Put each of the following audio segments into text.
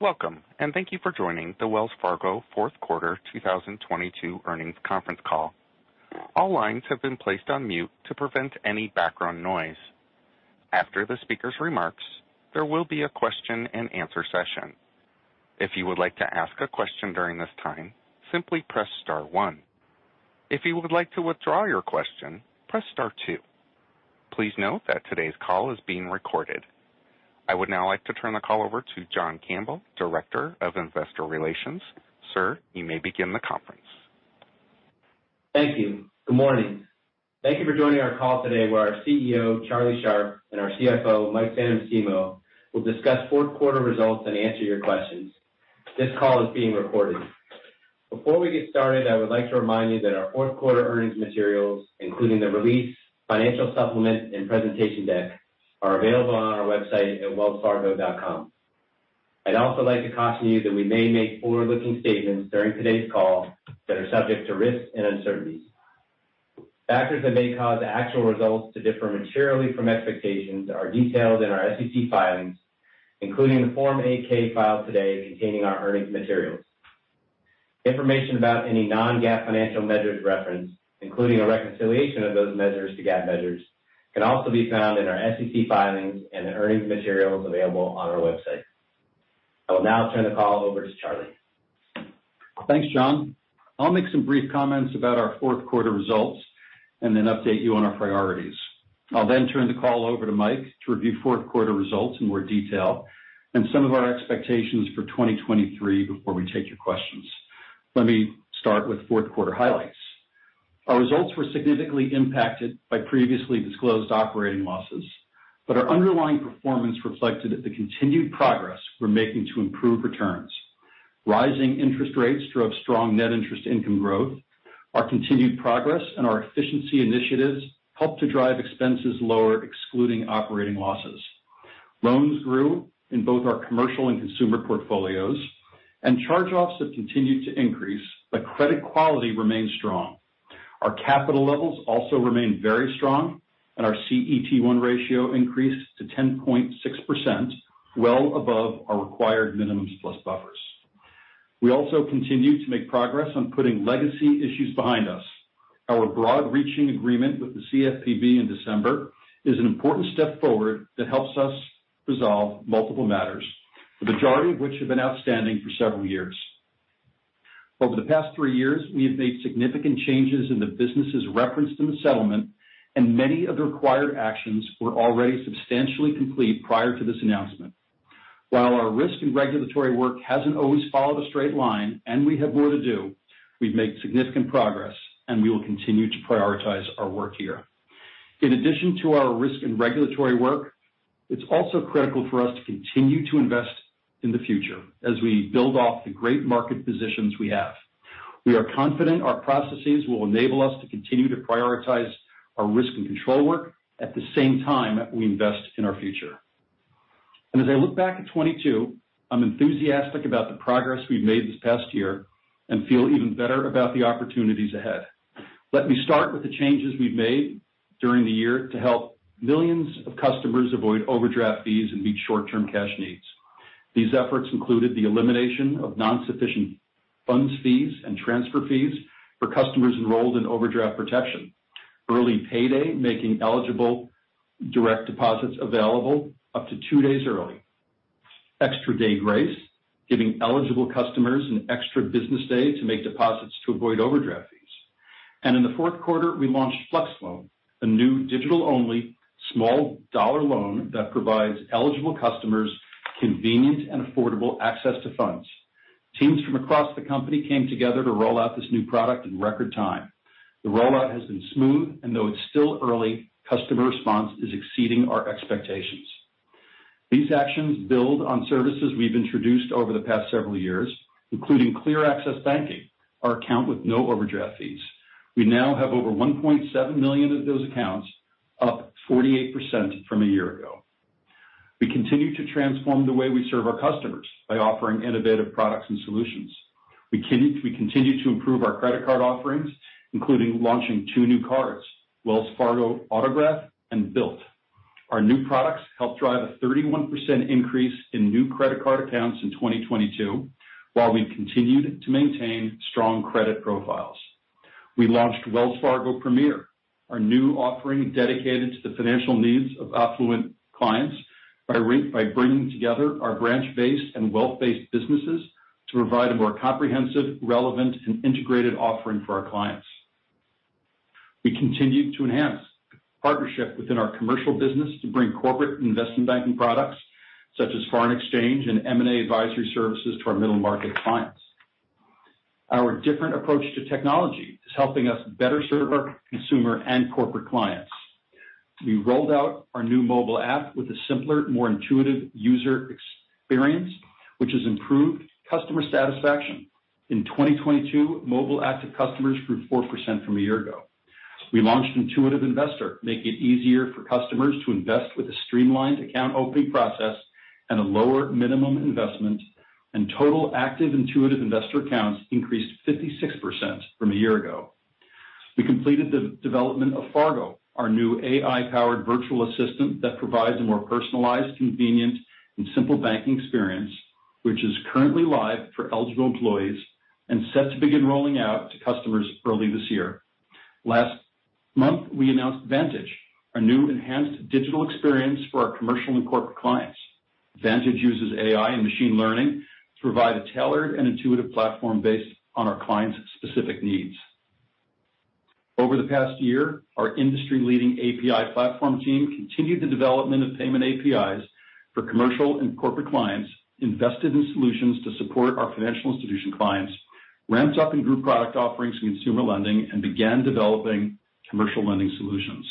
Welcome. Thank you for joining the Wells Fargo Fourth Quarter 2022 Earnings Conference Call. All lines have been placed on mute to prevent any background noise. After the speaker's remarks, there will be a question-and-answer session. If you would like to ask a question during this time, simply press star one. If you would like to withdraw your question, press star two. Please note that today's call is being recorded. I would now like to turn the call over to John Campbell, Director of Investor Relations. Sir, you may begin the conference. Thank you. Good morning. Thank you for joining our call today, where our CEO, Charlie Scharf, and our CFO, Mike Santomassimo, will discuss fourth quarter results and answer your questions. This call is being recorded. Before we get started, I would like to remind you that our fourth quarter earnings materials, including the release, financial supplement, and presentation deck, are available on our website at WellsFargo.com. I'd also like to caution you that we may make forward-looking statements during today's call that are subject to risks and uncertainties. Factors that may cause actual results to differ materially from expectations are detailed in our SEC filings, including the Form 8-K filed today containing our earnings materials. Information about any non-GAAP financial measures referenced, including a reconciliation of those measures to GAAP measures, can also be found in our SEC filings and the earnings materials available on our website. I will now turn the call over to Charlie. Thanks, John. I'll make some brief comments about our fourth quarter results and then update you on our priorities. I'll turn the call over to Mike to review fourth quarter results in more detail and some of our expectations for 2023 before we take your questions. Let me start with fourth quarter highlights. Our results were significantly impacted by previously disclosed operating losses, but our underlying performance reflected the continued progress we're making to improve returns. Rising interest rates drove strong net interest income growth. Our continued progress and our efficiency initiatives helped to drive expenses lower, excluding operating losses. Loans grew in both our commercial and consumer portfolios, and charge-offs have continued to increase, but credit quality remains strong. Our capital levels also remain very strong, and our CET1 ratio increased to 10.6%, well above our required minimums plus buffers. We also continue to make progress on putting legacy issues behind us. Our broad-reaching agreement with the CFPB in December is an important step forward that helps us resolve multiple matters, the majority of which have been outstanding for several years. Over the past three years, we have made significant changes in the businesses referenced in the settlement, and many of the required actions were already substantially complete prior to this announcement. While our risk and regulatory work hasn't always followed a straight line, and we have more to do, we've made significant progress, and we will continue to prioritize our work here. In addition to our risk and regulatory work, it's also critical for us to continue to invest in the future as we build off the great market positions we have. We are confident our processes will enable us to continue to prioritize our risk and control work at the same time that we invest in our future. As I look back at 2022, I'm enthusiastic about the progress we've made this past year and feel even better about the opportunities ahead. Let me start with the changes we've made during the year to help millions of customers avoid overdraft fees and meet short-term cash needs. These efforts included the elimination of non-sufficient funds fees and transfer fees for customers enrolled in overdraft protection. Early Pay Day, making eligible direct deposits available up to 2 days early. Extra Day Grace, giving eligible customers an extra business day to make deposits to avoid overdraft fees. In the fourth quarter, we launched Flex Loan, a new digital-only small dollar loan that provides eligible customers convenient and affordable access to funds. Teams from across the company came together to roll out this new product in record time. The rollout has been smooth, and though it's still early, customer response is exceeding our expectations. These actions build on services we've introduced over the past several years, including Clear Access Banking, our account with no overdraft fees. We now have over 1.7 million of those accounts, up 48% from a year ago. We continue to transform the way we serve our customers by offering innovative products and solutions. We continue to improve our credit card offerings, including launching two new cards, Wells Fargo Autograph and Bilt. Our new products helped drive a 31% increase in new credit card accounts in 2022, while we continued to maintain strong credit profiles. We launched Wells Fargo Premier, our new offering dedicated to the financial needs of affluent clients by bringing together our branch-based and wealth-based businesses to provide a more comprehensive, relevant, and integrated offering for our clients. We continued to enhance partnership within our commercial business to bring corporate investment banking products such as foreign exchange and M&A advisory services to our middle-market clients. Our different approach to technology is helping us better serve our consumer and corporate clients. We rolled out our new mobile app with a simpler, more intuitive user experience, which has improved customer satisfaction. In 2022, mobile active customers grew 4% from a year ago. We launched Intuitive Investor, making it easier for customers to invest with a streamlined account opening process and a lower minimum investment, and total active Intuitive Investor accounts increased 56% from a year ago. We completed the development of Fargo, our new AI-powered virtual assistant that provides a more personalized, convenient, and simple banking experience, which is currently live for eligible employees and set to begin rolling out to customers early this year. Last month, we announced Vantage, a new enhanced digital experience for our commercial and corporate clients. Vantage uses AI and machine learning to provide a tailored and intuitive platform based on our clients' specific needs. Over the past year, our industry-leading API platform team continued the development of payment APIs for commercial and corporate clients, invested in solutions to support our financial institution clients, ramped up in group product offerings in consumer lending, began developing commercial lending solutions.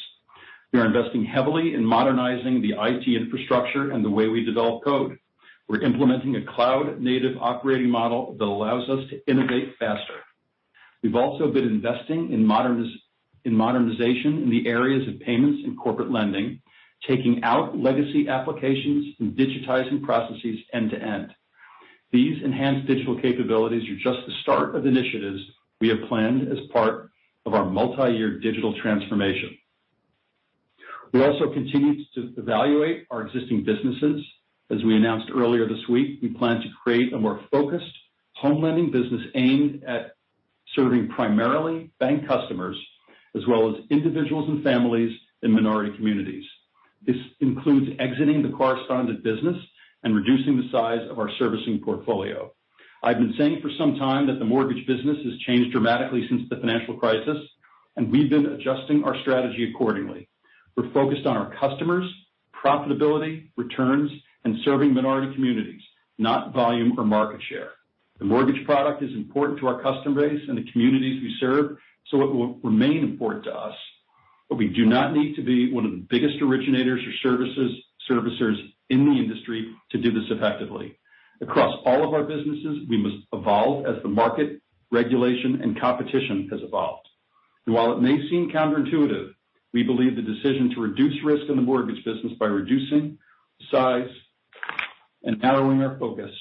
We are investing heavily in modernizing the IT infrastructure and the way we develop code. We're implementing a cloud-native operating model that allows us to innovate faster. We've also been investing in modernization in the areas of payments and corporate lending, taking out legacy applications and digitizing processes end to end. These enhanced digital capabilities are just the start of initiatives we have planned as part of our multi-year digital transformation. We also continued to evaluate our existing businesses. As we announced earlier this week, we plan to create a more focused home lending business aimed at serving primarily bank customers, as well as individuals and families in minority communities. This includes exiting the correspondent business and reducing the size of our servicing portfolio. I've been saying for some time that the mortgage business has changed dramatically since the financial crisis. We've been adjusting our strategy accordingly. We're focused on our customers, profitability, returns, and serving minority communities, not volume or market share. The mortgage product is important to our customer base and the communities we serve, so it will remain important to us, but we do not need to be one of the biggest originators or servicers in the industry to do this effectively. Across all of our businesses, we must evolve as the market, regulation, and competition has evolved. While it may seem counterintuitive, we believe the decision to reduce risk in the mortgage business by reducing size and narrowing our focus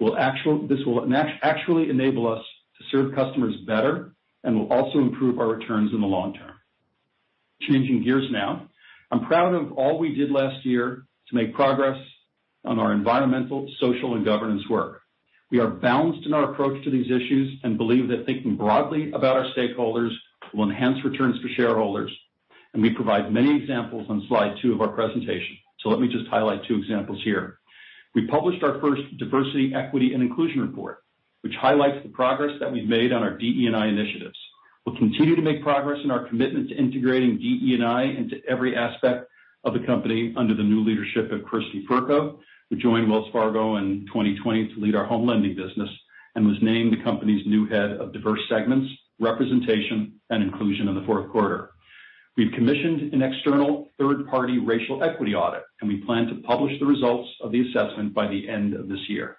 will actually enable us to serve customers better and will also improve our returns in the long term. Changing gears now. I'm proud of all we did last year to make progress on our environmental, social, and governance work. We are balanced in our approach to these issues and believe that thinking broadly about our stakeholders will enhance returns for shareholders. We provide many examples on slide 2 of our presentation. Let me just highlight two examples here. We published our first Diversity, Equity, and Inclusion report, which highlights the progress that we've made on our DE&I initiatives. We'll continue to make progress in our commitment to integrating DE&I into every aspect of the company under the new leadership of Kristy Fercho, who joined Wells Fargo in 2020 to lead our home lending business and was named the company's new Head of Diverse Segments, Representation, and Inclusion in the fourth quarter. We've commissioned an external third-party racial equity audit, we plan to publish the results of the assessment by the end of this year.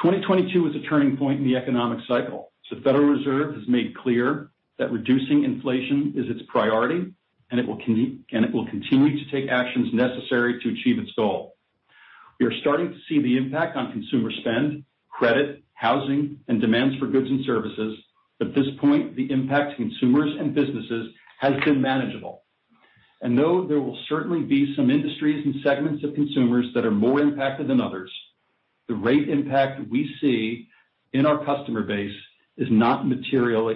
2022 is a turning point in the economic cycle. Federal Reserve has made clear that reducing inflation is its priority, and it will continue to take actions necessary to achieve its goal. We are starting to see the impact on consumer spend, credit, housing, and demands for goods and services. At this point, the impact to consumers and businesses has been manageable. Though there will certainly be some industries and segments of consumers that are more impacted than others, the rate of impacts we see in our customer base is not materially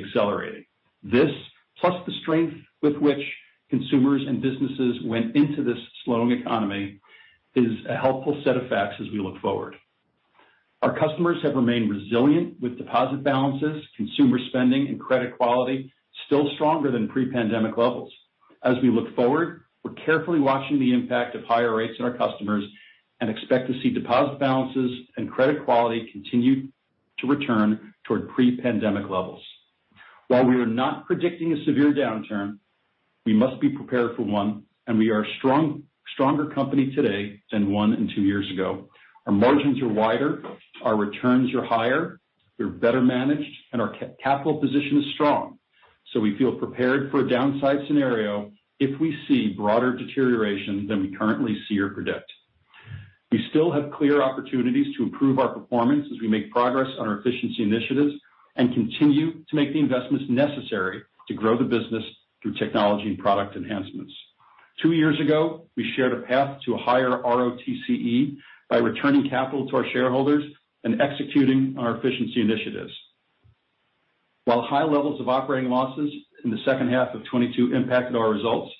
accelerating. This plus the strength with which consumers and businesses went into this slowing economy is a helpful set of facts as we look forward. Our customers have remained resilient with deposit balances, consumer spending, and credit quality still stronger than pre-pandemic levels. As we look forward, we're carefully watching the impact of higher rates on our customers and expect to see deposit balances and credit quality continue to return toward pre-pandemic levels. While we are not predicting a severe downturn, we must be prepared for one, and we are a stronger company today than one in two years ago. Our margins are wider, our returns are higher, we're better managed, and our capital position is strong. We feel prepared for a downside scenario if we see broader deterioration than we currently see or predict. We still have clear opportunities to improve our performance as we make progress on our efficiency initiatives and continue to make the investments necessary to grow the business through technology and product enhancements. Two years ago, we shared a path to a higher ROTCE by returning capital to our shareholders and executing on our efficiency initiatives. While high levels of operating losses in the second half of 2022 impacted our results,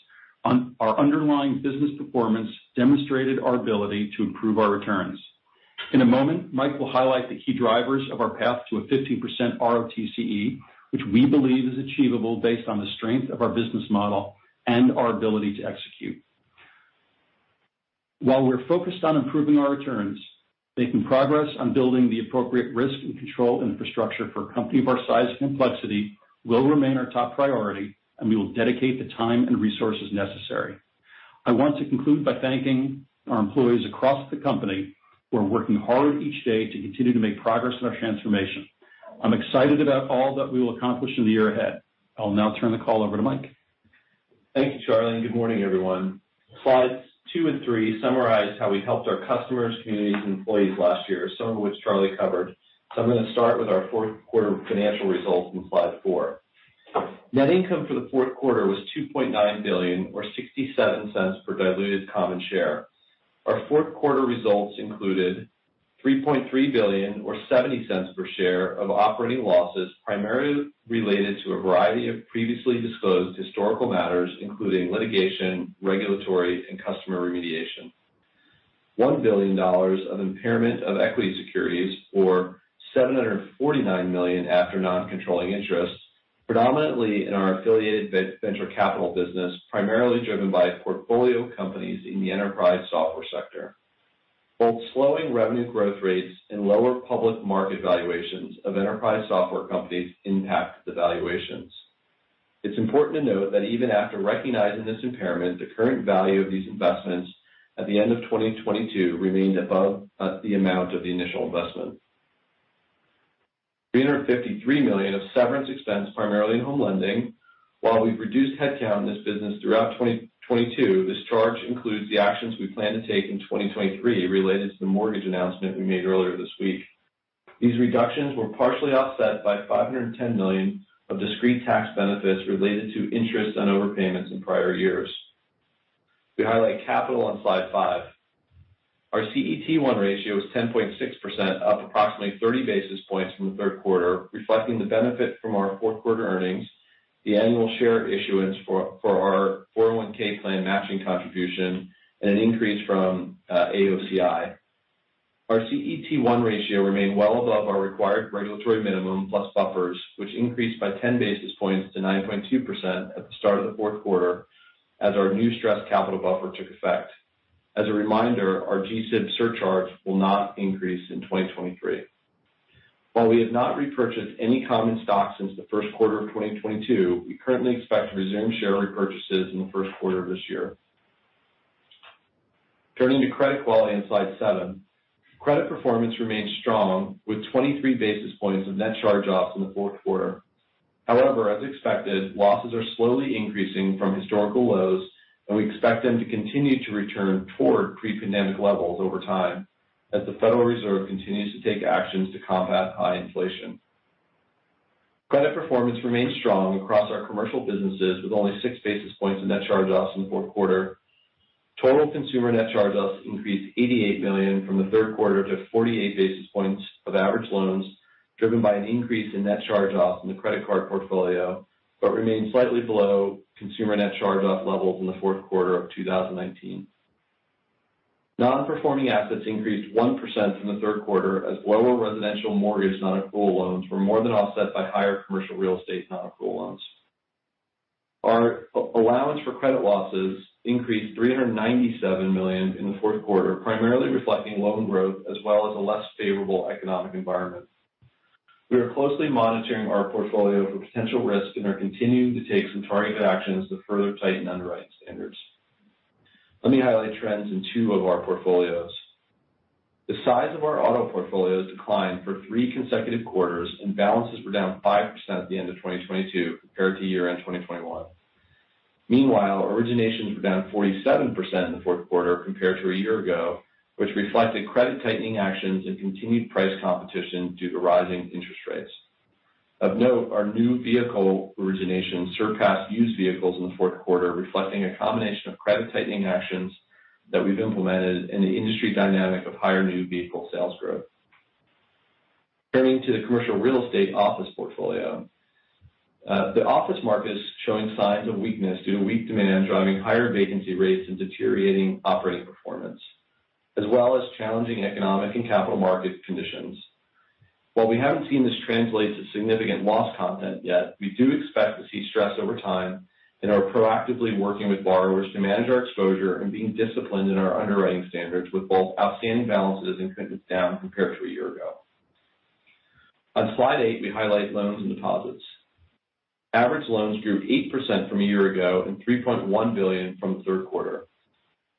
our underlying business performance demonstrated our ability to improve our returns. In a moment, Mike will highlight the key drivers of our path to a 15% ROTCE, which we believe is achievable based on the strength of our business model and our ability to execute. While we're focused on improving our returns, making progress on building the appropriate risk and control infrastructure for a company of our size and complexity will remain our top priority, and we will dedicate the time and resources necessary. I want to conclude by thanking our employees across the company who are working hard each day to continue to make progress in our transformation. I'm excited about all that we will accomplish in the year ahead. I'll now turn the call over to Mike. Thank you, Charlie, and good morning, everyone. Slides 2 and 3 summarize how we helped our customers, communities, and employees last year, some of which Charlie covered. I'm going to start with our fourth quarter financial results in slide 4. Net income for the fourth quarter was $2.9 billion or $0.67 per diluted common share. Our fourth quarter results included $3.3 billion or $0.70 per share of operating losses, primarily related to a variety of previously disclosed historical matters, including litigation, regulatory, and customer remediation. $1 billion of impairment of equity securities, or $749 million after non-controlling interests, predominantly in our affiliated venture capital business, primarily driven by portfolio companies in the enterprise software sector. Both slowing revenue growth rates and lower public market valuations of enterprise software companies impact the valuations. It's important to note that even after recognizing this impairment, the current value of these investments at the end of 2022 remained above the amount of the initial investment. $353 million of severance expense, primarily in Home Lending. While we've reduced headcount in this business throughout 2022, this charge includes the actions we plan to take in 2023 related to the mortgage announcement we made earlier this week. These reductions were partially offset by $510 million of discrete tax benefits related to interest on overpayments in prior years. We highlight capital on slide 5. Our CET1 ratio is 10.6%, up approximately 30 basis points from the third quarter, reflecting the benefit from our fourth quarter earnings, the annual share issuance for our 401(k) plan matching contribution, and an increase from AOCI. Our CET1 ratio remained well above our required regulatory minimum plus buffers, which increased by 10 basis points to 9.2% at the start of the fourth quarter as our new stress capital buffer took effect. As a reminder, our GSIB surcharge will not increase in 2023. While we have not repurchased any common stock since the first quarter of 2022, we currently expect to resume share repurchases in the first quarter of this year. Turning to credit quality on slide 7. Credit performance remains strong with 23 basis points of net charge-offs in the fourth quarter. However, as expected, losses are slowly increasing from historical lows, and we expect them to continue to return toward pre-pandemic levels over time as The Federal Reserve continues to take actions to combat high inflation. Credit performance remains strong across our commercial businesses, with only 6 basis points of net charge-offs in the fourth quarter. Total consumer net charge-offs increased $88 million from the third quarter to 48 basis points of average loans, driven by an increase in net charge-offs in the credit card portfolio, but remained slightly below consumer net charge-off levels in the fourth quarter of 2019. Non-performing assets increased 1% from the third quarter as lower residential mortgage non-accrual loans were more than offset by higher commercial real estate non-accrual loans. Our allowance for credit losses increased $397 million in the fourth quarter, primarily reflecting loan growth as well as a less favorable economic environment. We are closely monitoring our portfolio for potential risk and are continuing to take some targeted actions to further tighten underwriting standards. Let me highlight trends in two of our portfolios. The size of our auto portfolio has declined for 3 consecutive quarters and balances were down 5% at the end of 2022 compared to year-end 2021. Meanwhile, originations were down 47% in the fourth quarter compared to a year ago, which reflected credit tightening actions and continued price competition due to rising interest rates. Of note, our new vehicle originations surpassed used vehicles in the fourth quarter, reflecting a combination of credit tightening actions that we've implemented and the industry dynamic of higher new vehicle sales growth. Turning to the commercial real estate office portfolio. The office market is showing signs of weakness due to weak demand, driving higher vacancy rates and deteriorating operating performance, as well as challenging economic and capital market conditions. While we haven't seen this translate to significant loss content yet, we do expect to see stress over time and are proactively working with borrowers to manage our exposure and being disciplined in our underwriting standards with both outstanding balances and commitments down compared to a year ago. On slide 8, we highlight loans and deposits. Average loans grew 8% from a year ago and $3.1 billion from the third quarter.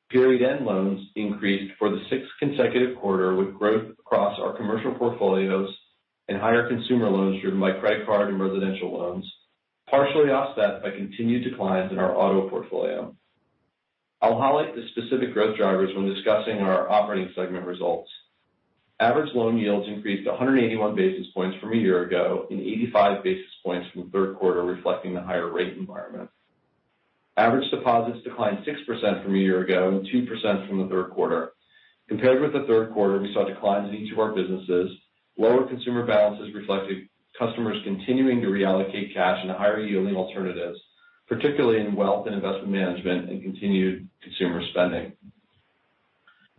Period end loans increased for the sixth consecutive quarter, with growth across our commercial portfolios and higher consumer loans driven by credit card and residential loans, partially offset by continued declines in our auto portfolio. I'll highlight the specific growth drivers when discussing our operating segment results. Average loan yields increased 181 basis points from a year ago and 85 basis points from the third quarter, reflecting the higher rate environment. Average deposits declined 6% from a year ago and 2% from the third quarter. Compared with the third quarter, we saw declines in each of our businesses. Lower consumer balances reflected customers continuing to reallocate cash into higher yielding alternatives, particularly in wealth and investment management and continued consumer spending.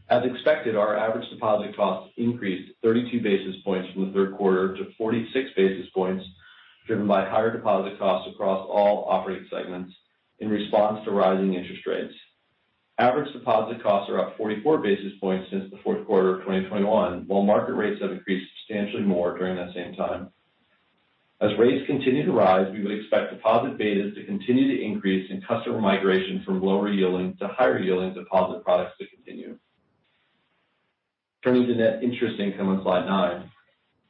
As expected, our average deposit costs increased 32 basis points from the third quarter to 46 basis points, driven by higher deposit costs across all operating segments in response to rising interest rates. Average deposit costs are up 44 basis points since the fourth quarter of 2021, while market rates have increased substantially more during that same time. As rates continue to rise, we would expect deposit betas to continue to increase and customer migration from lower yielding to higher yielding deposit products to continue. Turning to net interest income on slide 9.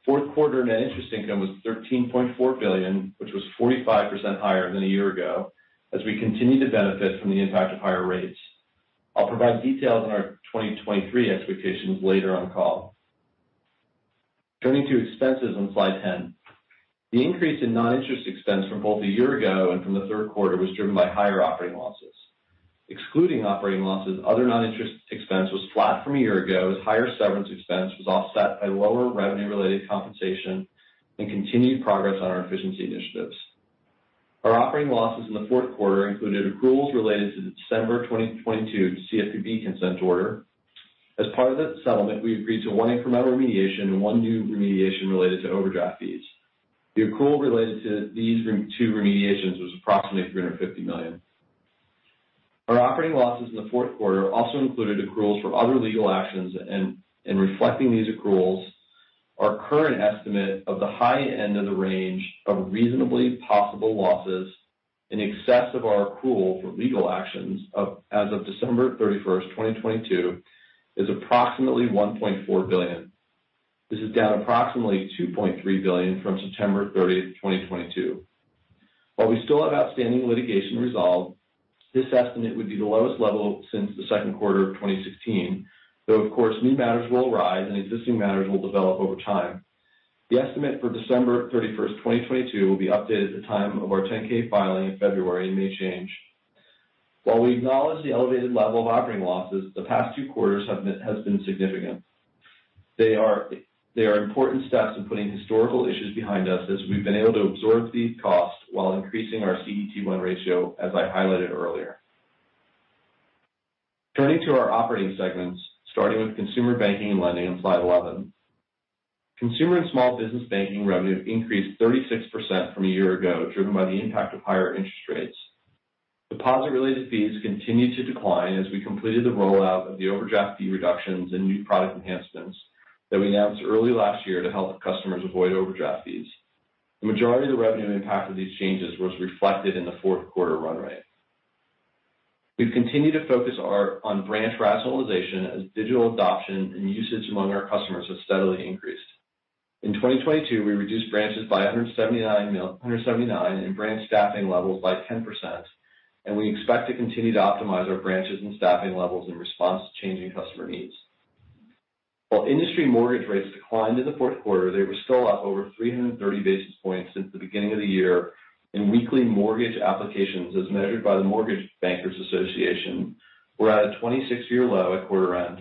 Fourth quarter net interest income was $13.4 billion, which was 45% higher than a year ago as we continue to benefit from the impact of higher rates. I'll provide details on our 2023 expectations later on call. Turning to expenses on slide 10. The increase in non-interest expense from both a year ago and from the third quarter was driven by higher operating losses. Excluding operating losses, other non-interest expense was flat from a year ago, as higher severance expense was offset by lower revenue-related compensation and continued progress on our efficiency initiatives. Our operating losses in the fourth quarter included accruals related to the December 2022 CFPB consent order. As part of that settlement, we agreed to 1 incremental remediation and 1 new remediation related to overdraft fees. The accrual related to these 2 remediations was approximately $350 million. Our operating losses in the fourth quarter also included accruals for other legal actions and reflecting these accruals, our current estimate of the high end of the range of reasonably possible losses in excess of our accrual for legal actions of, as of December 31st, 2022, is approximately $1.4 billion. This is down approximately $2.3 billion from September 30th, 2022. While we still have outstanding litigation resolved, this estimate would be the lowest level since the second quarter of 2016, though of course, new matters will arise and existing matters will develop over time. The estimate for December 31st, 2022 will be updated at the time of our 10-K filing in February and may change. While we acknowledge the elevated level of operating losses, the past two quarters has been significant. They are important steps in putting historical issues behind us as we've been able to absorb these costs while increasing our CET1 ratio, as I highlighted earlier. Turning to our operating segments, starting with consumer banking and lending on slide 11. Consumer and small business banking revenue increased 36% from a year ago, driven by the impact of higher interest rates. Deposit-related fees continued to decline as we completed the rollout of the overdraft fee reductions and new product enhancements that we announced early last year to help customers avoid overdraft fees. The majority of the revenue impact of these changes was reflected in the fourth quarter run rate. We've continued to focus our on branch rationalization as digital adoption and usage among our customers has steadily increased. In 2022, we reduced branches by 179 and branch staffing levels by 10%, and we expect to continue to optimize our branches and staffing levels in response to changing customer needs. While industry mortgage rates declined in the fourth quarter, they were still up over 330 basis points since the beginning of the year, and weekly mortgage applications as measured by the Mortgage Bankers Association, were at a 26-year low at quarter end.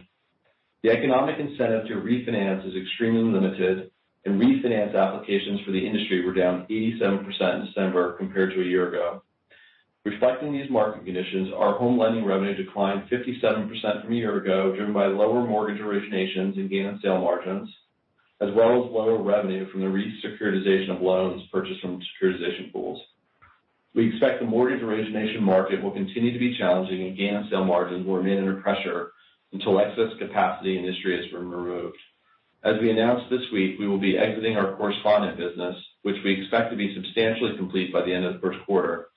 The economic incentive to refinance is extremely limited, and refinance applications for the industry were down 87% in December compared to a year ago. Reflecting these market conditions, our home lending revenue declined 57% from a year ago, driven by lower mortgage originations and gain on sale margins, as well as lower revenue from the re-securitization of loans purchased from securitization pools. We expect the mortgage origination market will continue to be challenging, and gain on sale margins will remain under pressure until excess capacity in industry has been removed. As we announced this week, we will be exiting our correspondent business, which we expect to be substantially complete by the end of the first quarter.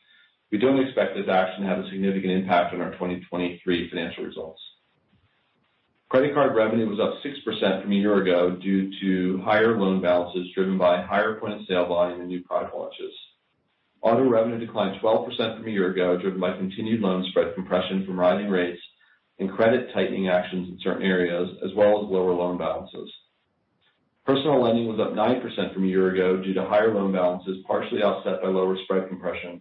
We don't expect this action to have a significant impact on our 2023 financial results. Credit card revenue was up 6% from a year ago due to higher loan balances driven by higher point of sale volume and new product launches. Auto revenue declined 12% from a year ago, driven by continued loan spread compression from rising rates and credit tightening actions in certain areas, as well as lower loan balances. Personal lending was up 9% from a year ago due to higher loan balances, partially offset by lower spread compression.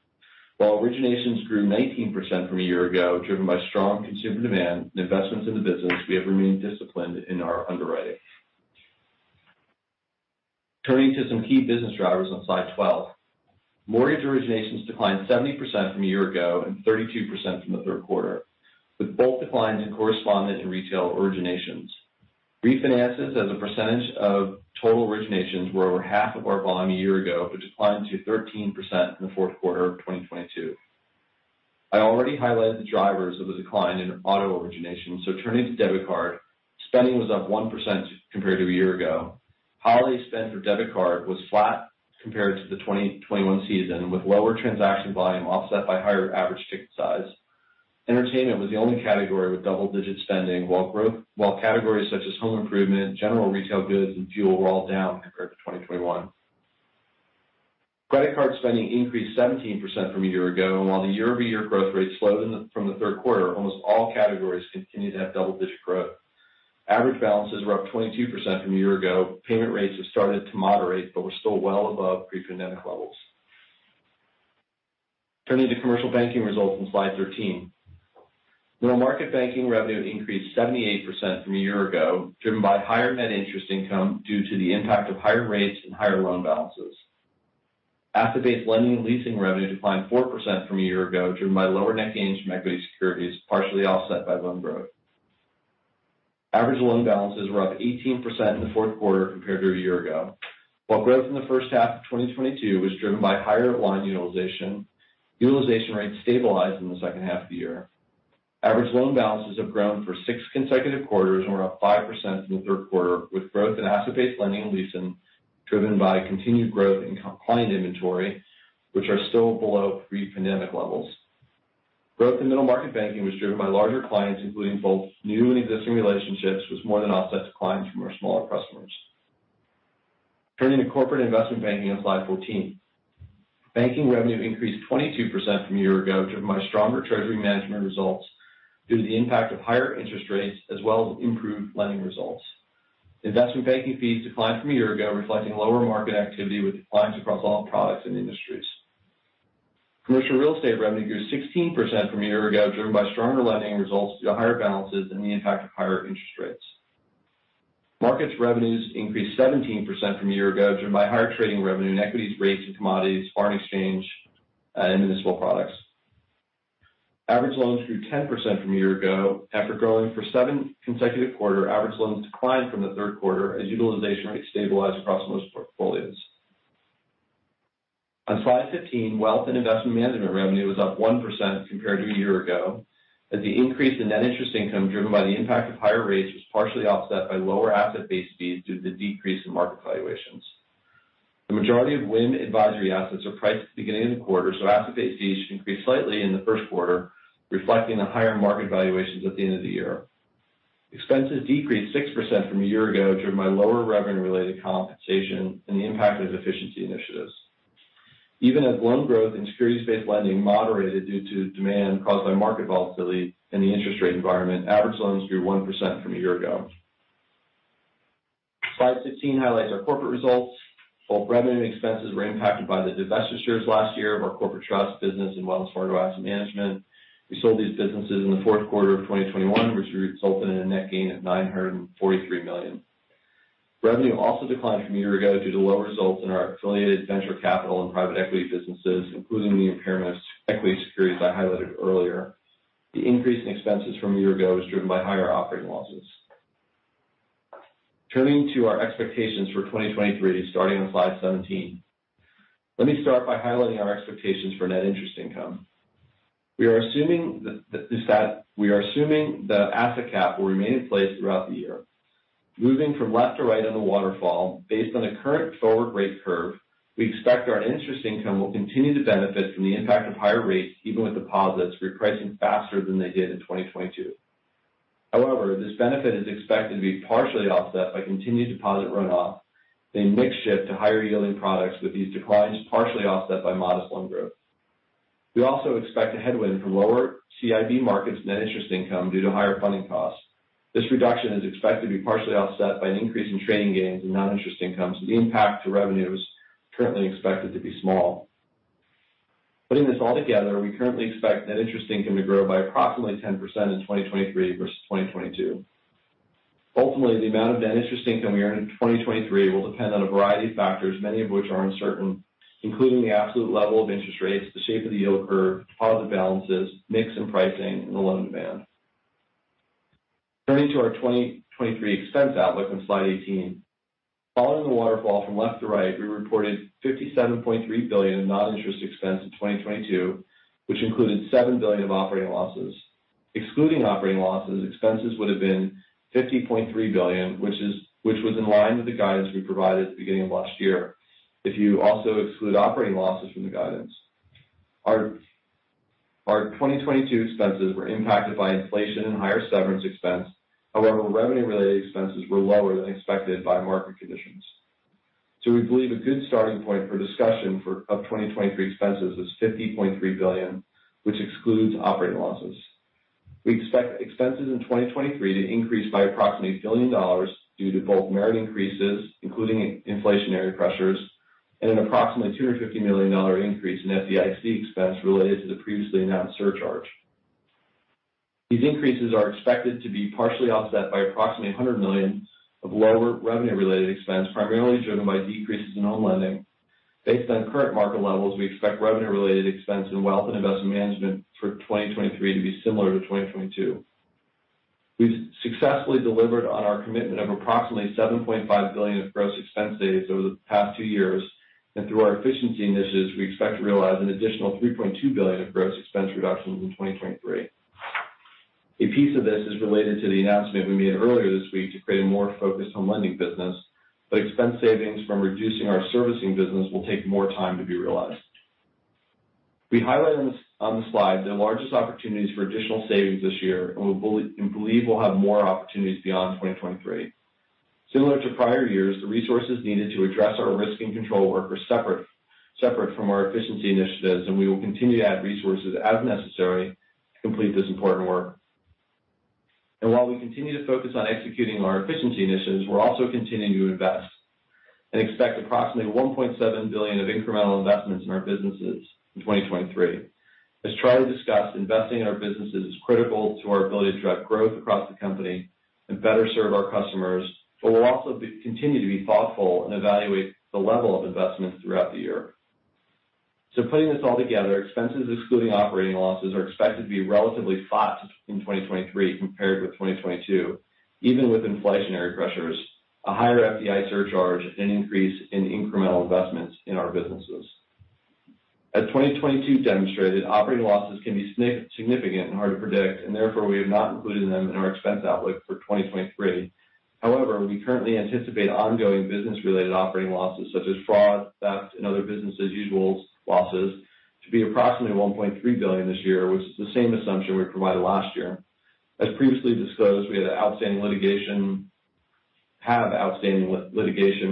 While originations grew 19% from a year ago, driven by strong consumer demand and investments in the business, we have remained disciplined in our underwriting. Turning to some key business drivers on slide 12. Mortgage originations declined 70% from a year ago and 32% from the third quarter, with both declines in correspondent and retail originations. Refinances as a percentage of total originations were over half of our volume a year ago, but declined to 13% in the fourth quarter of 2022. I already highlighted the drivers of the decline in auto origination, so turning to debit card, spending was up 1% compared to a year ago. Holiday spend for debit card was flat compared to the 2021 season, with lower transaction volume offset by higher average ticket size. Entertainment was the only category with double-digit spending, while growth... while categories such as home improvement, general retail goods, and fuel were all down compared to 2021. Credit card spending increased 17% from a year ago, and while the year-over-year growth rate slowed from the third quarter, almost all categories continued to have double-digit growth. Average balances were up 22% from a year ago. Payment rates have started to moderate but were still well above pre-pandemic levels. Turning to commercial banking results on slide 13. Middle Market Banking revenue increased 78% from a year ago, driven by higher net interest income due to the impact of higher rates and higher loan balances. Asset-based lending and leasing revenue declined 4% from a year ago due to lower net gains from equity securities, partially offset by loan growth. Average loan balances were up 18% in the fourth quarter compared to a year ago. While growth in the first half of 2022 was driven by higher loan utilization rates stabilized in the second half of the year. Average loan balances have grown for six consecutive quarters and were up 5% from the third quarter, with growth in asset-based lending and leasing driven by continued growth in client inventory, which are still below pre-pandemic levels. Growth in Middle Market Banking was driven by larger clients, including both new and existing relationships, which more than offset declines from our smaller customers. Turning to corporate investment banking on slide 14. Banking revenue increased 22% from a year ago, driven by stronger treasury management results due to the impact of higher interest rates as well as improved lending results. Investment banking fees declined from a year ago, reflecting lower market activity with declines across all products and industries. Commercial real estate revenue grew 16% from a year ago, driven by stronger lending results due to higher balances and the impact of higher interest rates. Markets revenues increased 17% from a year ago, driven by higher trading revenue in equities, rates and commodities, foreign exchange, and municipal products. Average loans grew 10% from a year ago. After growing for seven consecutive quarter, average loans declined from the third quarter as utilization rates stabilized across most portfolios. On slide 15, Wealth and Investment Management revenue was up 1% compared to a year ago, as the increase in net interest income driven by the impact of higher rates was partially offset by lower asset-based fees due to the decrease in market valuations. The majority of WIM advisory assets are priced at the beginning of the quarter, asset-based fees should increase slightly in the first quarter, reflecting the higher market valuations at the end of the year. Expenses decreased 6% from a year ago, driven by lower revenue related compensation and the impact of efficiency initiatives. Even as loan growth and securities-based lending moderated due to demand caused by market volatility in the interest rate environment, average loans grew 1% from a year ago. Slide 16 highlights our corporate results. Both revenue and expenses were impacted by the divestitures last year of our corporate trust business and Wells Fargo Asset Management. We sold these businesses in the fourth quarter of 2021, which resulted in a net gain of $943 million. Revenue also declined from a year ago due to low results in our affiliated venture capital and private equity businesses, including the impairment of equity securities I highlighted earlier. The increase in expenses from a year ago was driven by higher operating losses. Turning to our expectations for 2023, starting on slide 17. Let me start by highlighting our expectations for net interest income. We are assuming that the asset cap will remain in place throughout the year. Moving from left to right on the waterfall, based on the current forward rate curve, we expect our net interest income will continue to benefit from the impact of higher rates, even with deposits repricing faster than they did in 2022. However, this benefit is expected to be partially offset by continued deposit runoff, a mix shift to higher yielding products, with these declines partially offset by modest loan growth. We also expect a headwind from lower CIB markets net interest income due to higher funding costs. This reduction is expected to be partially offset by an increase in training gains and non-interest incomes. The impact to revenue is currently expected to be small. Putting this all together, we currently expect net interest income to grow by approximately 10% in 2023 versus 2022. Ultimately, the amount of net interest income we earn in 2023 will depend on a variety of factors, many of which are uncertain, including the absolute level of interest rates, the shape of the yield curve, deposit balances, mix and pricing, and the loan demand. Turning to our 2023 expense outlook on slide 18. Following the waterfall from left to right, we reported $57.3 billion in non-interest expense in 2022, which included $7 billion of operating losses. Excluding operating losses, expenses would have been $50.3 billion, which was in line with the guidance we provided at the beginning of last year. If you also exclude operating losses from the guidance. Our 2022 expenses were impacted by inflation and higher severance expense. Revenue related expenses were lower than expected by market conditions. We believe a good starting point for discussion of 2023 expenses is $50.3 billion, which excludes operating losses. We expect expenses in 2023 to increase by approximately $1 billion due to both merit increases, including inflationary pressures, and an approximately $250 million increase in FDIC expense related to the previously announced surcharge. These increases are expected to be partially offset by approximately $100 million of lower revenue related expense, primarily driven by decreases in home lending. Based on current market levels, we expect revenue related expense in wealth and investment management for 2023 to be similar to 2022. We've successfully delivered on our commitment of approximately $7.5 billion of gross expense savings over the past two years. Through our efficiency initiatives, we expect to realize an additional $3.2 billion of gross expense reductions in 2023. A piece of this is related to the announcement we made earlier this week to create a more focused home lending business, but expense savings from reducing our servicing business will take more time to be realized. We highlight on the slide the largest opportunities for additional savings this year, and we believe we'll have more opportunities beyond 2023. Similar to prior years, the resources needed to address our risk and control work are separate from our efficiency initiatives, and we will continue to add resources as necessary to complete this important work. While we continue to focus on executing our efficiency initiatives, we're also continuing to invest and expect approximately $1.7 billion of incremental investments in our businesses in 2023. As Charlie discussed, investing in our businesses is critical to our ability to drive growth across the company and better serve our customers, but we'll also be, continue to be thoughtful and evaluate the level of investments throughout the year. Putting this all together, expenses excluding operating losses, are expected to be relatively flat in 2023 compared with 2022, even with inflationary pressures, a higher FDIC surcharge, an increase in incremental investments in our businesses. As 2022 demonstrated, operating losses can be significant and hard to predict, and therefore we have not included them in our expense outlook for 2023. We currently anticipate ongoing business-related operating losses such as fraud, theft, and other business as usual losses to be approximately $1.3 billion this year, which is the same assumption we provided last year. As previously discussed, we have outstanding litigation,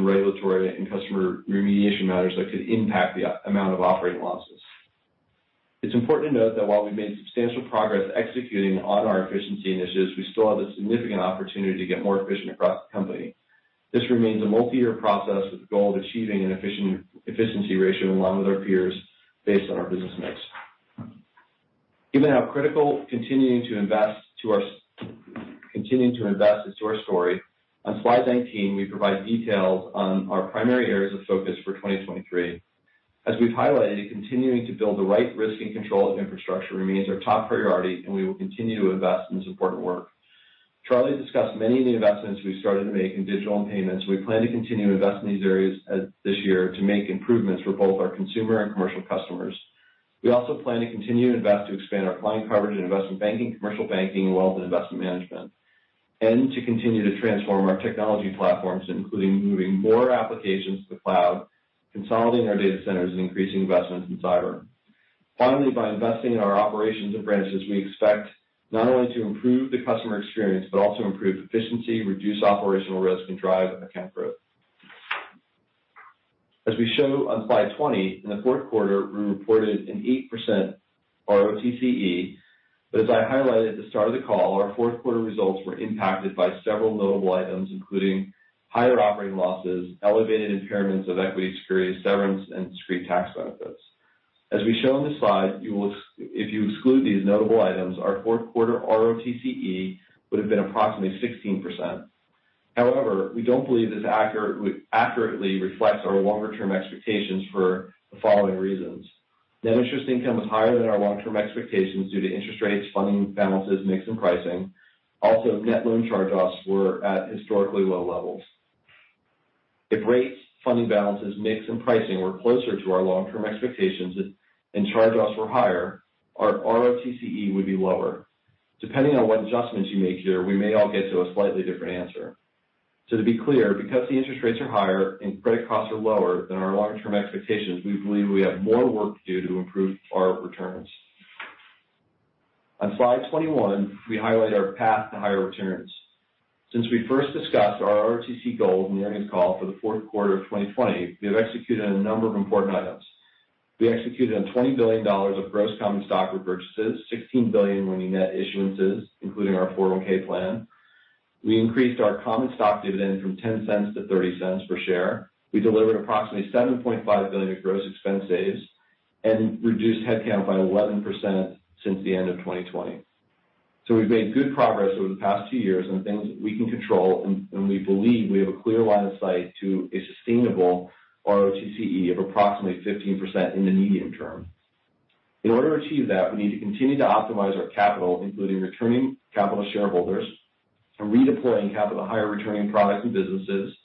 regulatory, and customer remediation matters that could impact the amount of operating losses. It's important to note that while we've made substantial progress executing on our efficiency initiatives, we still have a significant opportunity to get more efficient across the company. This remains a multi-year process with the goal of achieving an efficiency ratio along with our peers based on our business mix. Given how critical continuing to invest is to our story, on slide 19, we provide details on our primary areas of focus for 2023. As we've highlighted, continuing to build the right risk and controls infrastructure remains our top priority, and we will continue to invest in this important work. Charlie discussed many of the investments we've started to make in digital and payments. We plan to continue to invest in these areas this year to make improvements for both our consumer and commercial customers. We also plan to continue to invest to expand our client coverage in investment banking, commercial banking, wealth and investment management. To continue to transform our technology platforms, including moving more applications to the cloud, consolidating our data centers, and increasing investments in cyber. Finally, by investing in our operations and branches, we expect not only to improve the customer experience, but also improve efficiency, reduce operational risk, and drive account growth. We show on slide 20, in the fourth quarter, we reported an 8% ROTCE. As I highlighted at the start of the call, our fourth quarter results were impacted by several notable items, including higher operating losses, elevated impairments of equity securities, severance and discrete tax benefits. We show on this slide, if you exclude these notable items, our fourth quarter ROTCE would have been approximately 16%. We don't believe this accurately reflects our longer-term expectations for the following reasons. Net Interest Income was higher than our long-term expectations due to interest rates, funding balances, mix and pricing. Net loan charge-offs were at historically low levels. If rates, funding balances, mix and pricing were closer to our long-term expectations and charge-offs were higher, our ROTCE would be lower. Depending on what adjustments you make here, we may all get to a slightly different answer. To be clear, because the interest rates are higher and credit costs are lower than our long-term expectations, we believe we have more work to do to improve our returns. On slide 21, we highlight our path to higher returns. Since we first discussed our ROTCE goals in the earnings call for the fourth quarter of 2020, we have executed a number of important items. We executed on $20 billion of gross common stock repurchases, $16 billion lending net issuances, including our 401(k) plan. We increased our common stock dividend from $0.10 to $0.30 per share. We delivered approximately $7.5 billion in gross expense saves and reduced headcount by 11% since the end of 2020. We've made good progress over the past two years on the things that we can control, and we believe we have a clear line of sight to a sustainable ROTCE of approximately 15% in the medium term. In order to achieve that, we need to continue to optimize our capital, including returning capital to shareholders and redeploying capital to higher returning products and businesses.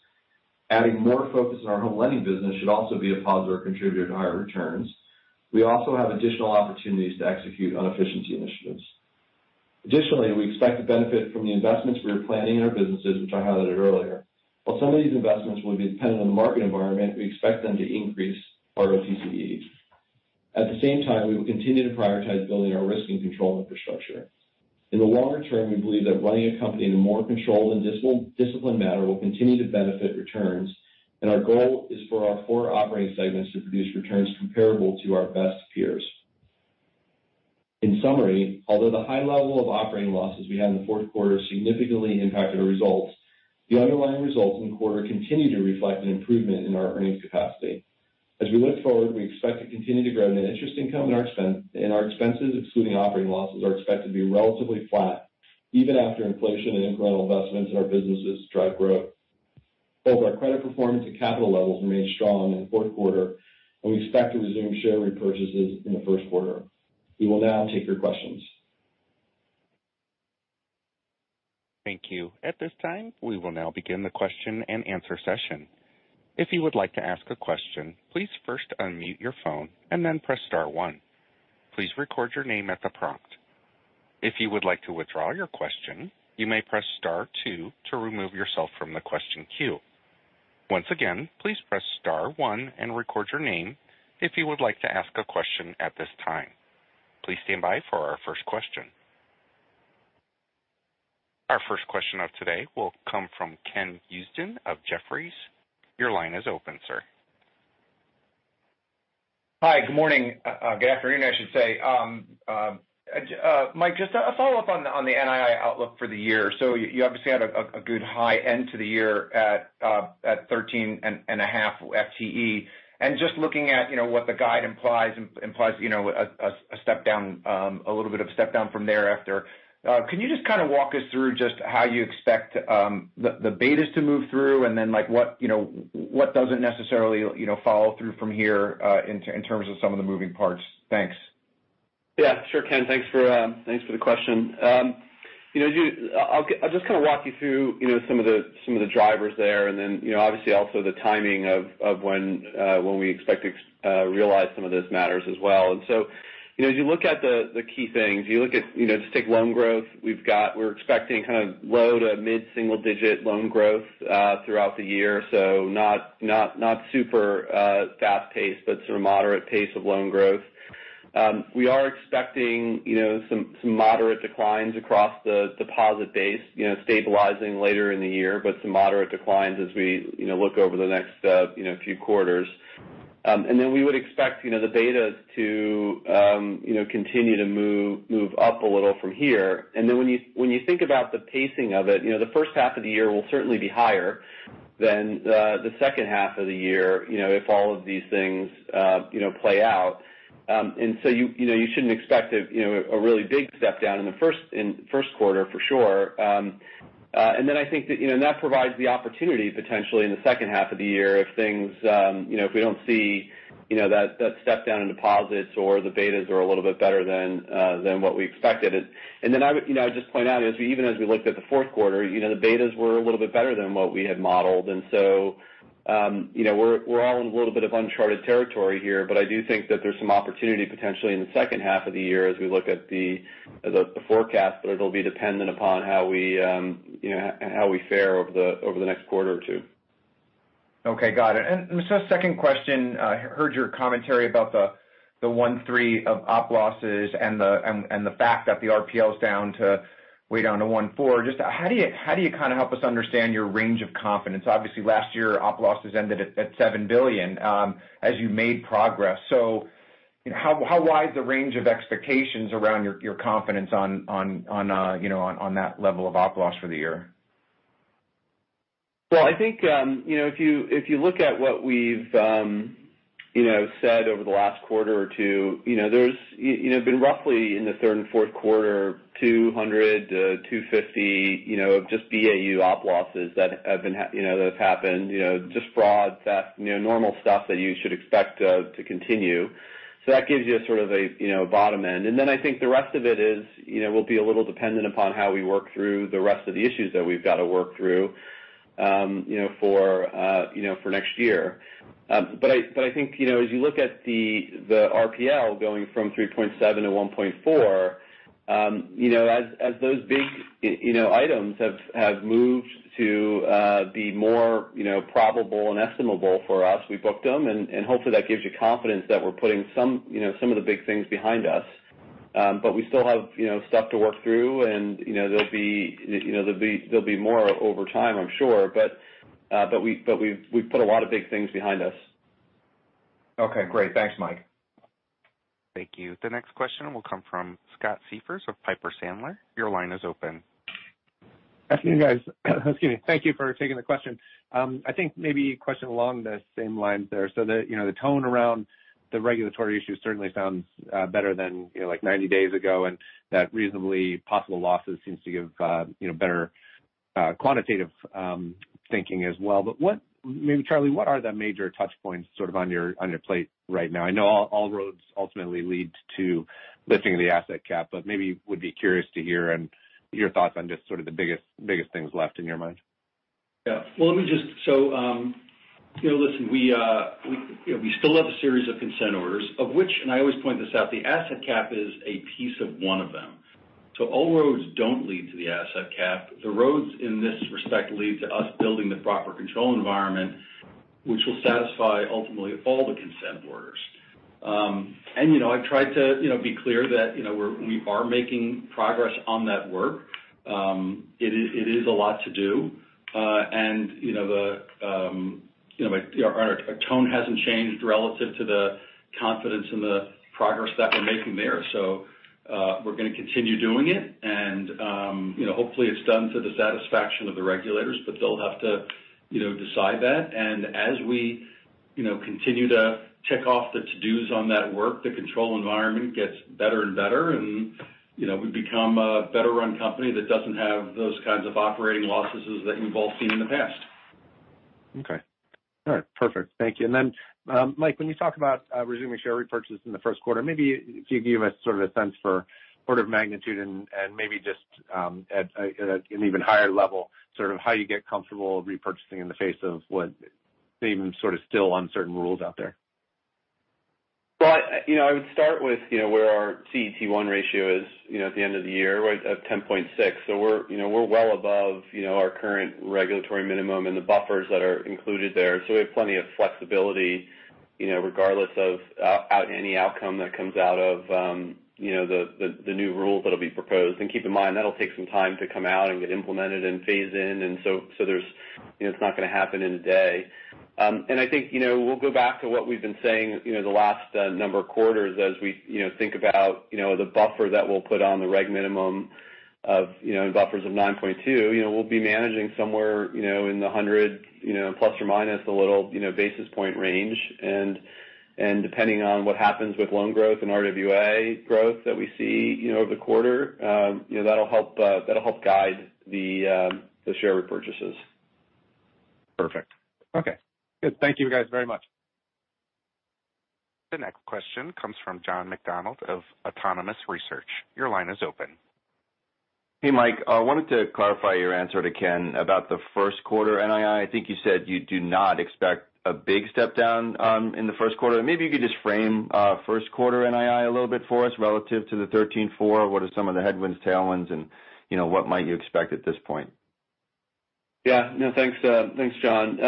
Adding more focus on our home lending business should also be a positive contributor to higher returns. We also have additional opportunities to execute on efficiency initiatives. Additionally, we expect to benefit from the investments we are planning in our businesses, which I highlighted earlier. While some of these investments will be dependent on the market environment, we expect them to increase ROTCE. At the same time, we will continue to prioritize building our risk and control infrastructure. In the longer term, we believe that running a company in a more controlled and disciplined manner will continue to benefit returns, and our goal is for our four operating segments to produce returns comparable to our best peers. In summary, although the high level of operating losses we had in the fourth quarter significantly impacted our results, the underlying results in the quarter continue to reflect an improvement in our earnings capacity. As we look forward, we expect to continue to grow net interest income, and our expenses, excluding operating losses, are expected to be relatively flat even after inflation and incremental investments in our businesses drive growth. Both our credit performance and capital levels remained strong in the fourth quarter, and we expect to resume share repurchases in the first quarter. We will now take your questions. Thank you. At this time, we will now begin the question-and-answer session. If you would like to ask a question, please first unmute your phone and then press star one. Please record your name at the prompt. If you would like to withdraw your question, you may press star two to remove yourself from the question queue. Once again, please press star one and record your name if you would like to ask a question at this time. Please stand by for our first question. Our first question of today will come from Ken Usdin of Jefferies. Your line is open, sir. Hi. Good morning. Good afternoon, I should say. Mike, just a follow-up on the NII outlook for the year. You obviously had a good high end to the year at 13 and a half FTE. Just looking at, you know, what the guide implies, you know, a step down, a little bit of a step down from thereafter. Can you just kind of walk us through just how you expect the betas to move through, and then, like, what, you know, what doesn't necessarily, you know, follow through from here, in terms of some of the moving parts? Thanks. Yeah, sure, Ken. Thanks for the question. You know, I'll just kind of walk you through, you know, some of the, some of the drivers there and then, you know, obviously also the timing of when we expect to realize some of those matters as well. You know, as you look at the key things, you look at, you know, just take loan growth. We're expecting kind of low to mid-single digit loan growth throughout the year. Not super fast-paced, but sort of moderate pace of loan growth. We are expecting, you know, some moderate declines across the deposit base, you know, stabilizing later in the year, but some moderate declines as we, you know, look over the next, you know, few quarters. Then we would expect, you know, the betas to, you know, continue to move up a little from here. Then when you, when you think about the pacing of it, you know, the first half of the year will certainly be higher than the second half of the year, you know, if all of these things, you know, play out. So you know, you shouldn't expect a, you know, a really big step down in the First Quarter for sure. I think that, you know, that provides the opportunity potentially in the second half of the year if things, you know, if we don't see, you know, that step down in deposits or the betas are a little bit better than what we expected. I would, you know, I'd just point out as even as we looked at the fourth quarter, you know, the betas were a little bit better than what we had modeled. You know, we're all in a little bit of uncharted territory here, but I do think that there's some opportunity potentially in the second half of the year as we look at the forecast, but it'll be dependent upon how we, you know, how we fare over the next quarter or two. Okay, got it. Just a second question. I heard your commentary about the one-three of op losses and the fact that the RPL is down to way down to one-four. Just how do you kind of help us understand your range of confidence? Obviously, last year, op losses ended at $7 billion, as you made progress. How wide is the range of expectations around your confidence on, you know, on that level of op loss for the year? I think, you know, if you, if you look at what we've, you know, said over the last quarter or two, you know, there's you know, been roughly in the third and fourth quarter, $200, $250, you know, of just BAU op losses that have happened. You know, just fraud, theft, you know, normal stuff that you should expect to continue. That gives you a sort of a, you know, bottom end. I think the rest of it is, you know, will be a little dependent upon how we work through the rest of the issues that we've got to work through, you know, for, you know, for next year. I think, you know, as you look at the RPL going from 3.7 to 1.4, you know, as those big, you know, items have moved to be more, you know, probable and estimable for us, we booked them, and hopefully that gives you confidence that we're putting some, you know, some of the big things behind us. We still have, you know, stuff to work through, and, you know, there'll be, you know, there'll be more over time, I'm sure. We've put a lot of big things behind us. Okay, great. Thanks, Mike. Thank you. The next question will come from Scott Siefers of Piper Sandler. Your line is open. After you guys. Excuse me. Thank you for taking the question. I think maybe a question along the same lines there. The, you know, the tone around the regulatory issues certainly sounds better than, you know, like 90 days ago, and that reasonably possible losses seems to give, you know, better quantitative thinking as well. What, maybe Charlie, what are the major touchpoints sort of on your, on your plate right now? I know all roads ultimately lead to lifting the asset cap, but maybe would be curious to hear and your thoughts on just sort of the biggest things left in your mind. Yeah. Well, let me just. You know, listen, we, you know, we still have a series of consent orders of which, and I always point this out, the asset cap is a piece of one of them. All roads don't lead to the asset cap. The roads in this respect lead to us building the proper control environment which will satisfy ultimately all the consent orders. You know, I've tried to, you know, be clear that, you know, we are making progress on that work. It is a lot to do. You know, the, our tone hasn't changed relative to the confidence in the progress that we're making there. We're gonna continue doing it, and, you know, hopefully it's done to the satisfaction of the regulators, but they'll have to, you know, decide that. As we, you know, continue to tick off the to-dos on that work, the control environment gets better and better and, you know, we become a better run company that doesn't have those kinds of operating losses as that you've all seen in the past. Okay. All right. Perfect. Thank you. Mike, when you talk about resuming share repurchase in the first quarter, maybe can you give us sort of a sense for order of magnitude and maybe just, at a, at an even higher level, sort of how you get comfortable repurchasing in the face of what maybe even sort of still uncertain rules out there? Well, you know, I would start with, you know, where our CET1 ratio is, you know, at the end of the year, right at 10.6. We're, you know, we're well above, you know, our current regulatory minimum and the buffers that are included there. We have plenty of flexibility, you know, regardless of any outcome that comes out of, you know, the, the new rules that'll be proposed. Keep in mind, that'll take some time to come out and get implemented and phase in. There's, you know, it's not gonna happen in a day. I think, you know, we'll go back to what we've been saying, you know, the last number of quarters as we, you know, think about, you know, the buffer that we'll put on the reg minimum of, you know, buffers of 9.2. You know, we'll be managing somewhere, you know, in the 100, you know, plus or minus a little, you know, basis point range. Depending on what happens with loan growth and RWA growth that we see, you know, over the quarter, you know, that'll help guide the share repurchases. Perfect. Okay, good. Thank you guys very much. The next question comes from John McDonald of Autonomous Research. Your line is open. Hey, Mike, I wanted to clarify your answer to Ken about the first quarter NII. I think you said you do not expect a big step down in the first quarter. Maybe you could just frame first quarter NII a little bit for us relative to the $13.4. What are some of the headwinds, tailwinds, and, you know, what might you expect at this point? Yeah. No, thanks, John.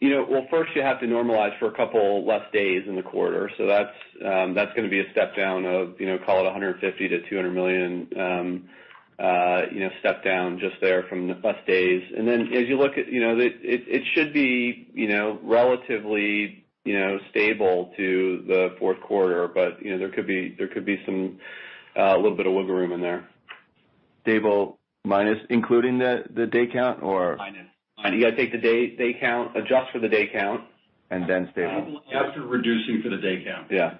You know, well, first you have to normalize for a couple less days in the quarter. That's gonna be a step down of, you know, call it $150 million-$200 million, you know, step down just there from the less days. Then as you look at, you know, the. It should be, you know, relatively, you know, stable to the fourth quarter, but, you know, there could be some, a little bit of wiggle room in there. Stable minus including the day count or? Minus. You gotta take the day count. Adjust for the day count. Stable. After reducing for the day count. Yeah.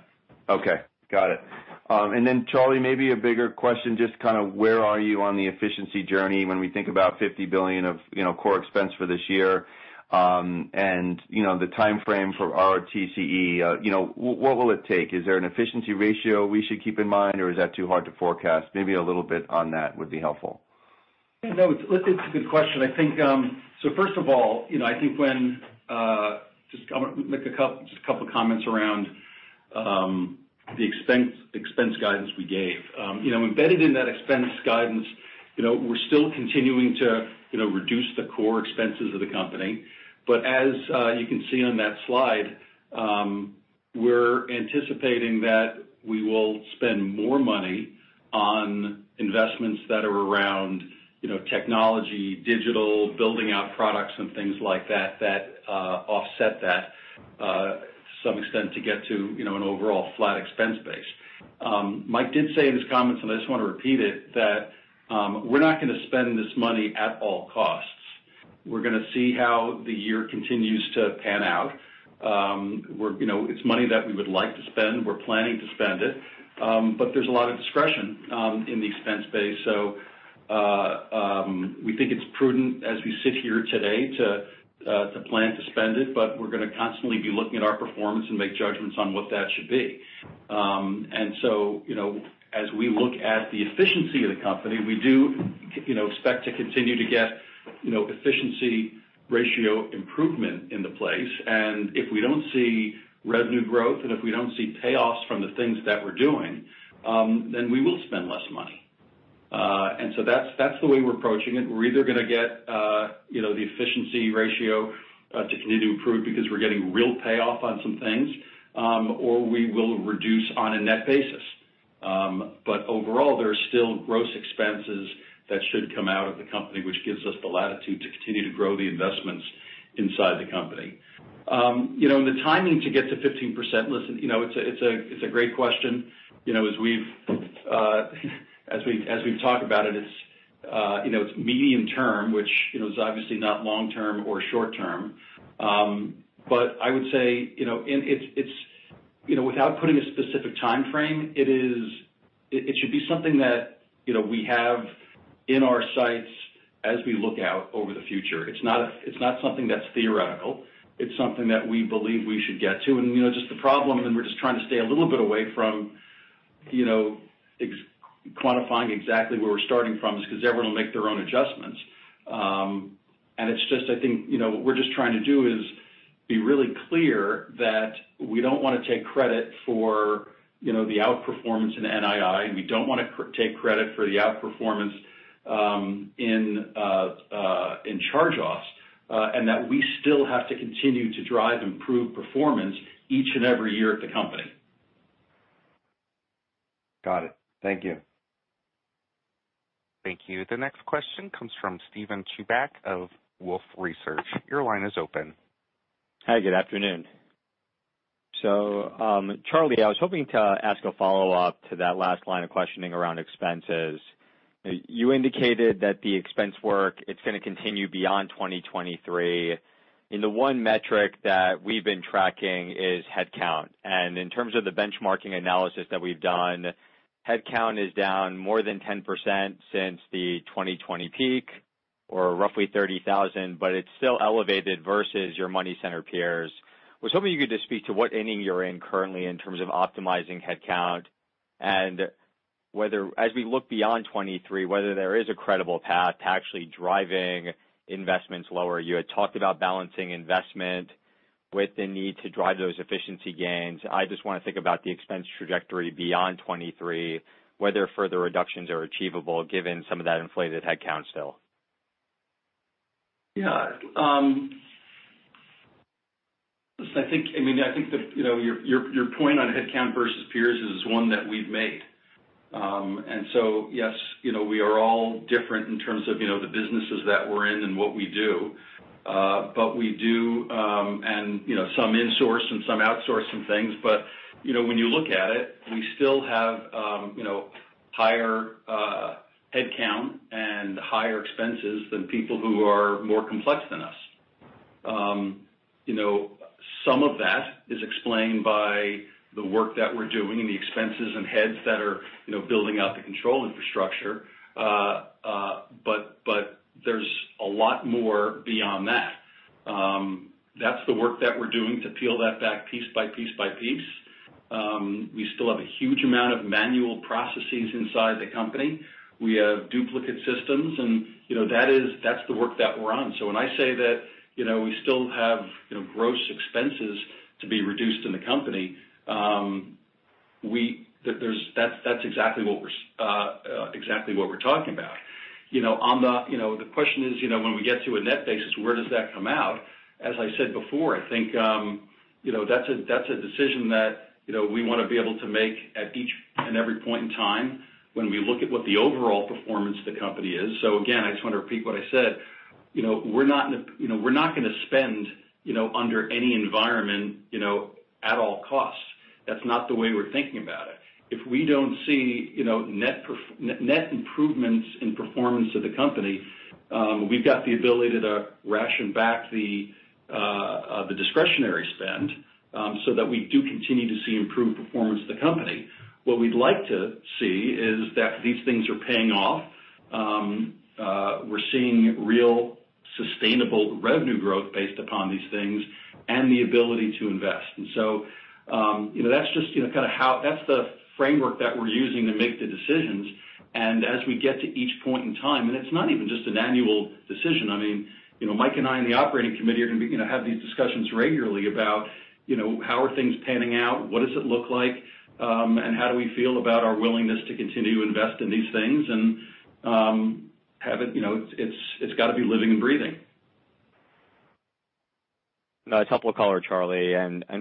Okay. Got it. Then Charlie, maybe a bigger question, just kind of where are you on the efficiency journey when we think about $50 billion of, you know, core expense for this year, and, you know, the timeframe for ROTCE, you know, what will it take? Is there an efficiency ratio we should keep in mind, or is that too hard to forecast? Maybe a little bit on that would be helpful. No, it's a good question. I think, first of all, you know, I think when, just I wanna make a couple of comments around the expense guidance we gave. You know, embedded in that expense guidance, you know, we're still continuing to, you know, reduce the core expenses of the company. As you can see on that slide, we're anticipating that we will spend more money on investments that are around, you know, technology, digital, building out products and things like that offset that to some extent to get to, you know, an overall flat expense base. Mike did say in his comments, and I just wanna repeat it, that we're not gonna spend this money at all costs. We're gonna see how the year continues to pan out. We're, you know, it's money that we would like to spend, we're planning to spend it, but there's a lot of discretion in the expense base. We think it's prudent as we sit here today to plan to spend it, but we're gonna constantly be looking at our performance and make judgments on what that should be. You know, as we look at the efficiency of the company, we do, you know, expect to continue to get, you know, efficiency ratio improvement into place. If we don't see revenue growth, and if we don't see payoffs from the things that we're doing, then we will spend less money. That's, that's the way we're approaching it. We're either gonna get, you know, the efficiency ratio to continue to improve because we're getting real payoff on some things, or we will reduce on a net basis. Overall, there are still gross expenses that should come out of the company, which gives us the latitude to continue to grow the investments inside the company. You know, the timing to get to 15%, listen, you know, it's a great question. You know, as we've talked about it's, you know, it's medium term, which, you know, is obviously not long term or short term. I would say, you know, and it's, you know, without putting a specific timeframe, it should be something that, you know, we have in our sights as we look out over the future. It's not something that's theoretical. It's something that we believe we should get to. You know, just the problem, and we're just trying to stay a little bit away from, you know, quantifying exactly where we're starting from is 'cause everyone will make their own adjustments. It's just I think, you know, what we're just trying to do is be really clear that we don't wanna take credit for, you know, the outperformance in NII. We don't wanna take credit for the outperformance in charge-offs, and that we still have to continue to drive improved performance each and every year at the company. Got it. Thank you. Thank you. The next question comes from Steven Chubak of Wolfe Research. Your line is open. Hi, good afternoon. Charlie, I was hoping to ask a follow-up to that last line of questioning around expenses. You indicated that the expense work, it's gonna continue beyond 2023. The one metric that we've been tracking is headcount. In terms of the benchmarking analysis that we've done, headcount is down more than 10% since the 2020 peak, or roughly 30,000, but it's still elevated versus your money center peers. Was hoping you could just speak to what inning you're in currently in terms of optimizing headcount and whether as we look beyond 2023, whether there is a credible path to actually driving investments lower. You had talked about balancing investment with the need to drive those efficiency gains. I just wanna think about the expense trajectory beyond 2023, whether further reductions are achievable given some of that inflated headcount still. Yeah. Listen, I think the your point on headcount versus peers is one that we've made. Yes, we are all different in terms of the businesses that we're in and what we do. We do, and some insource and some outsource some things. When you look at it, we still have higher headcount and higher expenses than people who are more complex than us. Some of that is explained by the work that we're doing and the expenses and heads that are building out the control infrastructure. There's a lot more beyond that. That's the work that we're doing to peel that back piece by piece by piece. We still have a huge amount of manual processes inside the company. We have duplicate systems and, you know, that's the work that we're on. When I say that, you know, we still have, you know, gross expenses to be reduced in the company, that's exactly what we're talking about. You know, the question is, you know, when we get to a net basis, where does that come out? As I said before, I think, you know, that's a, that's a decision that, you know, we wanna be able to make at each and every point in time when we look at what the overall performance of the company is. Again, I just wanna repeat what I said. You know, we're not, you know, we're not gonna spend, you know, under any environment, you know, at all costs. That's not the way we're thinking about it. If we don't see, you know, net improvements in performance of the company, we've got the ability to ration back the discretionary spend, so that we do continue to see improved performance of the company. What we'd like to see is that these things are paying off. We're seeing real sustainable revenue growth based upon these things and the ability to invest. You know, that's just, you know, kind of that's the framework that we're using to make the decisions. As we get to each point in time, and it's not even just an annual decision. I mean, you know, Mike and I, and the operating committee are gonna be, you know, have these discussions regularly about, you know, how are things panning out? What does it look like? How do we feel about our willingness to continue to invest in these things? Have it, you know, it's gotta be living and breathing. No, it's helpful color, Charlie.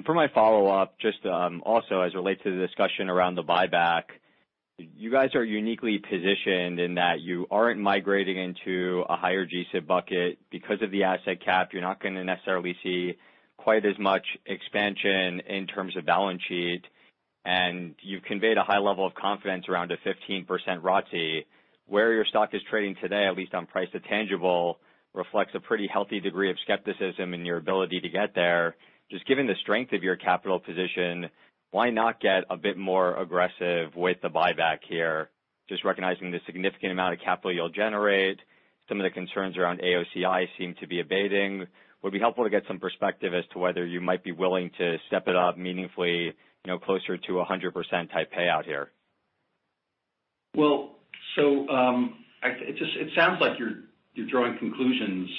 For my follow-up, just also as it relates to the discussion around the buyback, you guys are uniquely positioned in that you aren't migrating into a higher GSIB bucket. Because of the asset cap, you're not gonna necessarily see quite as much expansion in terms of balance sheet, and you've conveyed a high level of confidence around a 15% ROTCE. Where your stock is trading today, at least on price to tangible, reflects a pretty healthy degree of skepticism in your ability to get there. Just given the strength of your capital position, why not get a bit more aggressive with the buyback here? Just recognizing the significant amount of capital you'll generate. Some of the concerns around AOCI seem to be abating. Would be helpful to get some perspective as to whether you might be willing to step it up meaningfully, you know, closer to a 100% type payout here. It sounds like you're drawing conclusions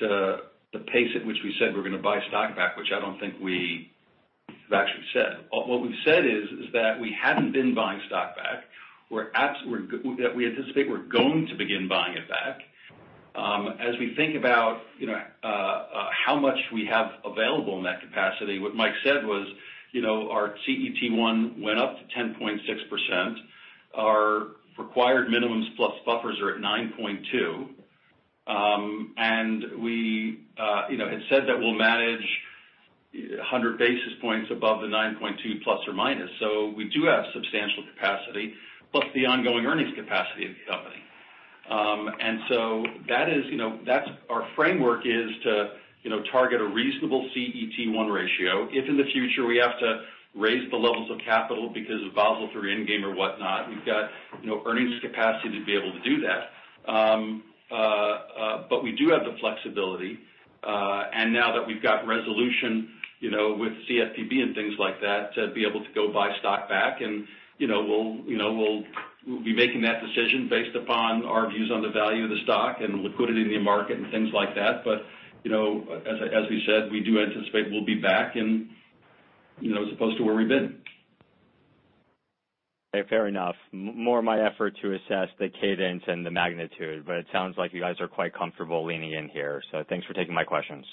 to the pace at which we said we're gonna buy stock back, which I don't think we have actually said. What we've said is that we haven't been buying stock back. We anticipate we're going to begin buying it back. As we think about, you know, how much we have available in that capacity, what Mike said was, you know, our CET1 went up to 10.6%. Our required minimums plus buffers are at 9.2. And we, you know, had said that we'll manage 100 basis points above the 9.2 plus or minus. We do have substantial capacity plus the ongoing earnings capacity of the company. That is, you know, that's our framework is to, you know, target a reasonable CET1 ratio. If in the future we have to raise the levels of capital because of Basel III endgame or whatnot, we've got, you know, earnings capacity to be able to do that. We do have the flexibility, and now that we've got resolution, you know, with CFPB and things like that, to be able to go buy stock back and, you know, we'll, you know, we'll be making that decision based upon our views on the value of the stock and the liquidity in the market and things like that. You know, as we said, we do anticipate we'll be back in, you know, as opposed to where we've been. Okay, fair enough. More my effort to assess the cadence and the magnitude, but it sounds like you guys are quite comfortable leaning in here. Thanks for taking my questions.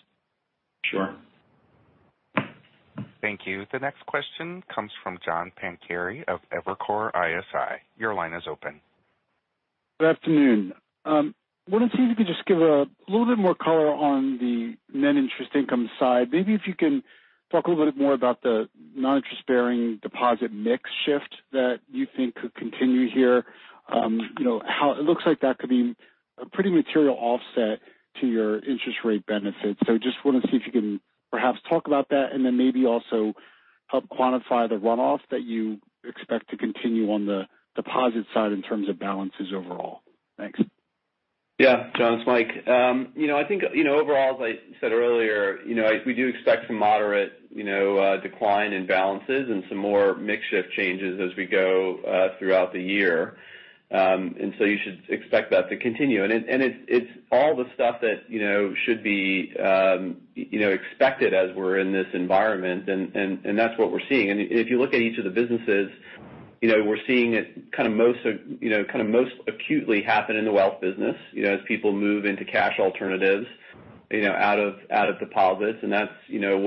Sure. Thank you. The next question comes from John Pancari of Evercore ISI. Your line is open. Good afternoon. Wanted to see if you could just give a little bit more color on the net interest income side. Maybe if you can talk a little bit more about the non-interest-bearing deposit mix shift that you think could continue here. You know, how it looks like that could be a pretty material offset to your interest rate benefits. Just wanna see if you can perhaps talk about that and then maybe also help quantify the runoff that you expect to continue on the deposit side in terms of balances overall. Thanks. Yeah. John, it's Mike. You know, I think, you know, overall, as I said earlier, you know, we do expect some moderate, you know, decline in balances and some more mix shift changes as we go throughout the year. You should expect that to continue. It, and it's all the stuff that, you know, should be, you know, expected as we're in this environment and, and that's what we're seeing. If you look at each of the businesses, you know, we're seeing it kind of most acutely happen in the wealth business, you know, as people move into cash alternatives, you know, out of deposits. That's, you know,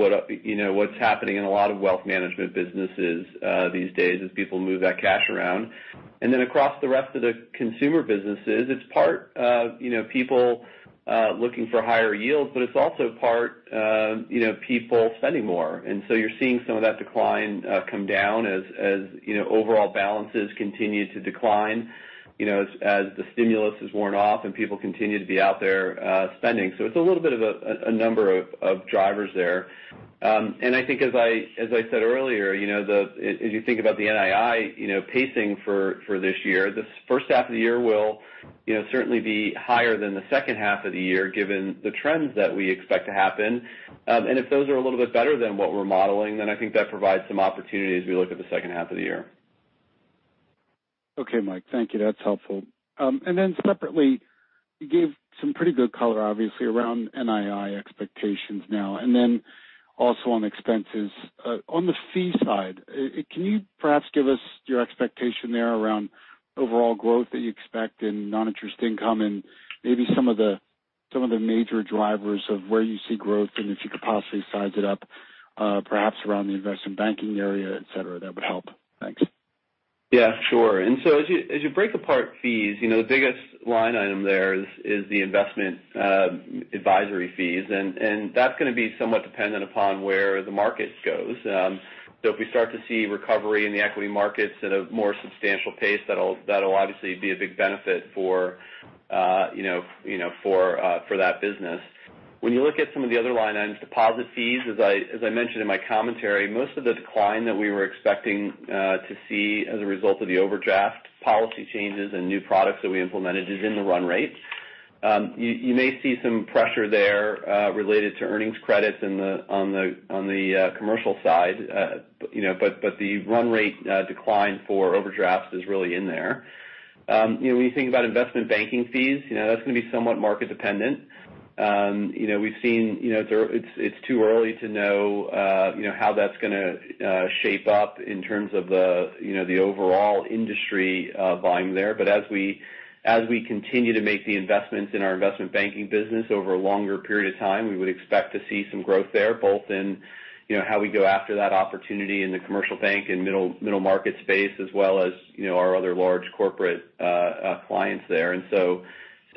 what's happening in a lot of wealth management businesses these days as people move that cash around. Across the rest of the consumer businesses, it's part of, you know, people looking for higher yields, but it's also part, you know, people spending more. You're seeing some of that decline come down as, you know, overall balances continue to decline, you know, as the stimulus has worn off and people continue to be out there spending. It's a little bit of a number of drivers there. And I think as I said earlier, you know, If you think about the NII, you know, pacing for this year, this first half of the year will, you know, certainly be higher than the second half of the year given the trends that we expect to happen. If those are a little bit better than what we're modeling, I think that provides some opportunity as we look at the second half of the year. Okay, Mike, thank you. That's helpful. Separately, you gave some pretty good color, obviously, around NII expectations now and then also on expenses. On the fee side, can you perhaps give us your expectation there around overall growth that you expect in non-interest income and maybe some of the, some of the major drivers of where you see growth and if you could possibly size it up, perhaps around the investment banking area, et cetera, that would help. Thanks. Yeah, sure. As you break apart fees, you know, the biggest line item there is the investment advisory fees, and that's gonna be somewhat dependent upon where the markets goes. If we start to see recovery in the equity markets at a more substantial pace, that'll obviously be a big benefit for, you know, for that business. When you look at some of the other line items, deposit fees, as I mentioned in my commentary, most of the decline that we were expecting to see as a result of the overdraft policy changes and new products that we implemented is in the run rates. You may see some pressure there, related to earnings credits in the, on the commercial side, you know, the run rate decline for overdrafts is really in there. You know, when you think about investment banking fees, you know, that's gonna be somewhat market dependent. You know, we've seen, you know, it's too early to know, you know, how that's gonna shape up in terms of the, you know, the overall industry, volume there. As we continue to make the investments in our investment banking business over a longer period of time, we would expect to see some growth there, both in, you know, how we go after that opportunity in the commercial bank and middle market space as well as, you know, our other large corporate clients there.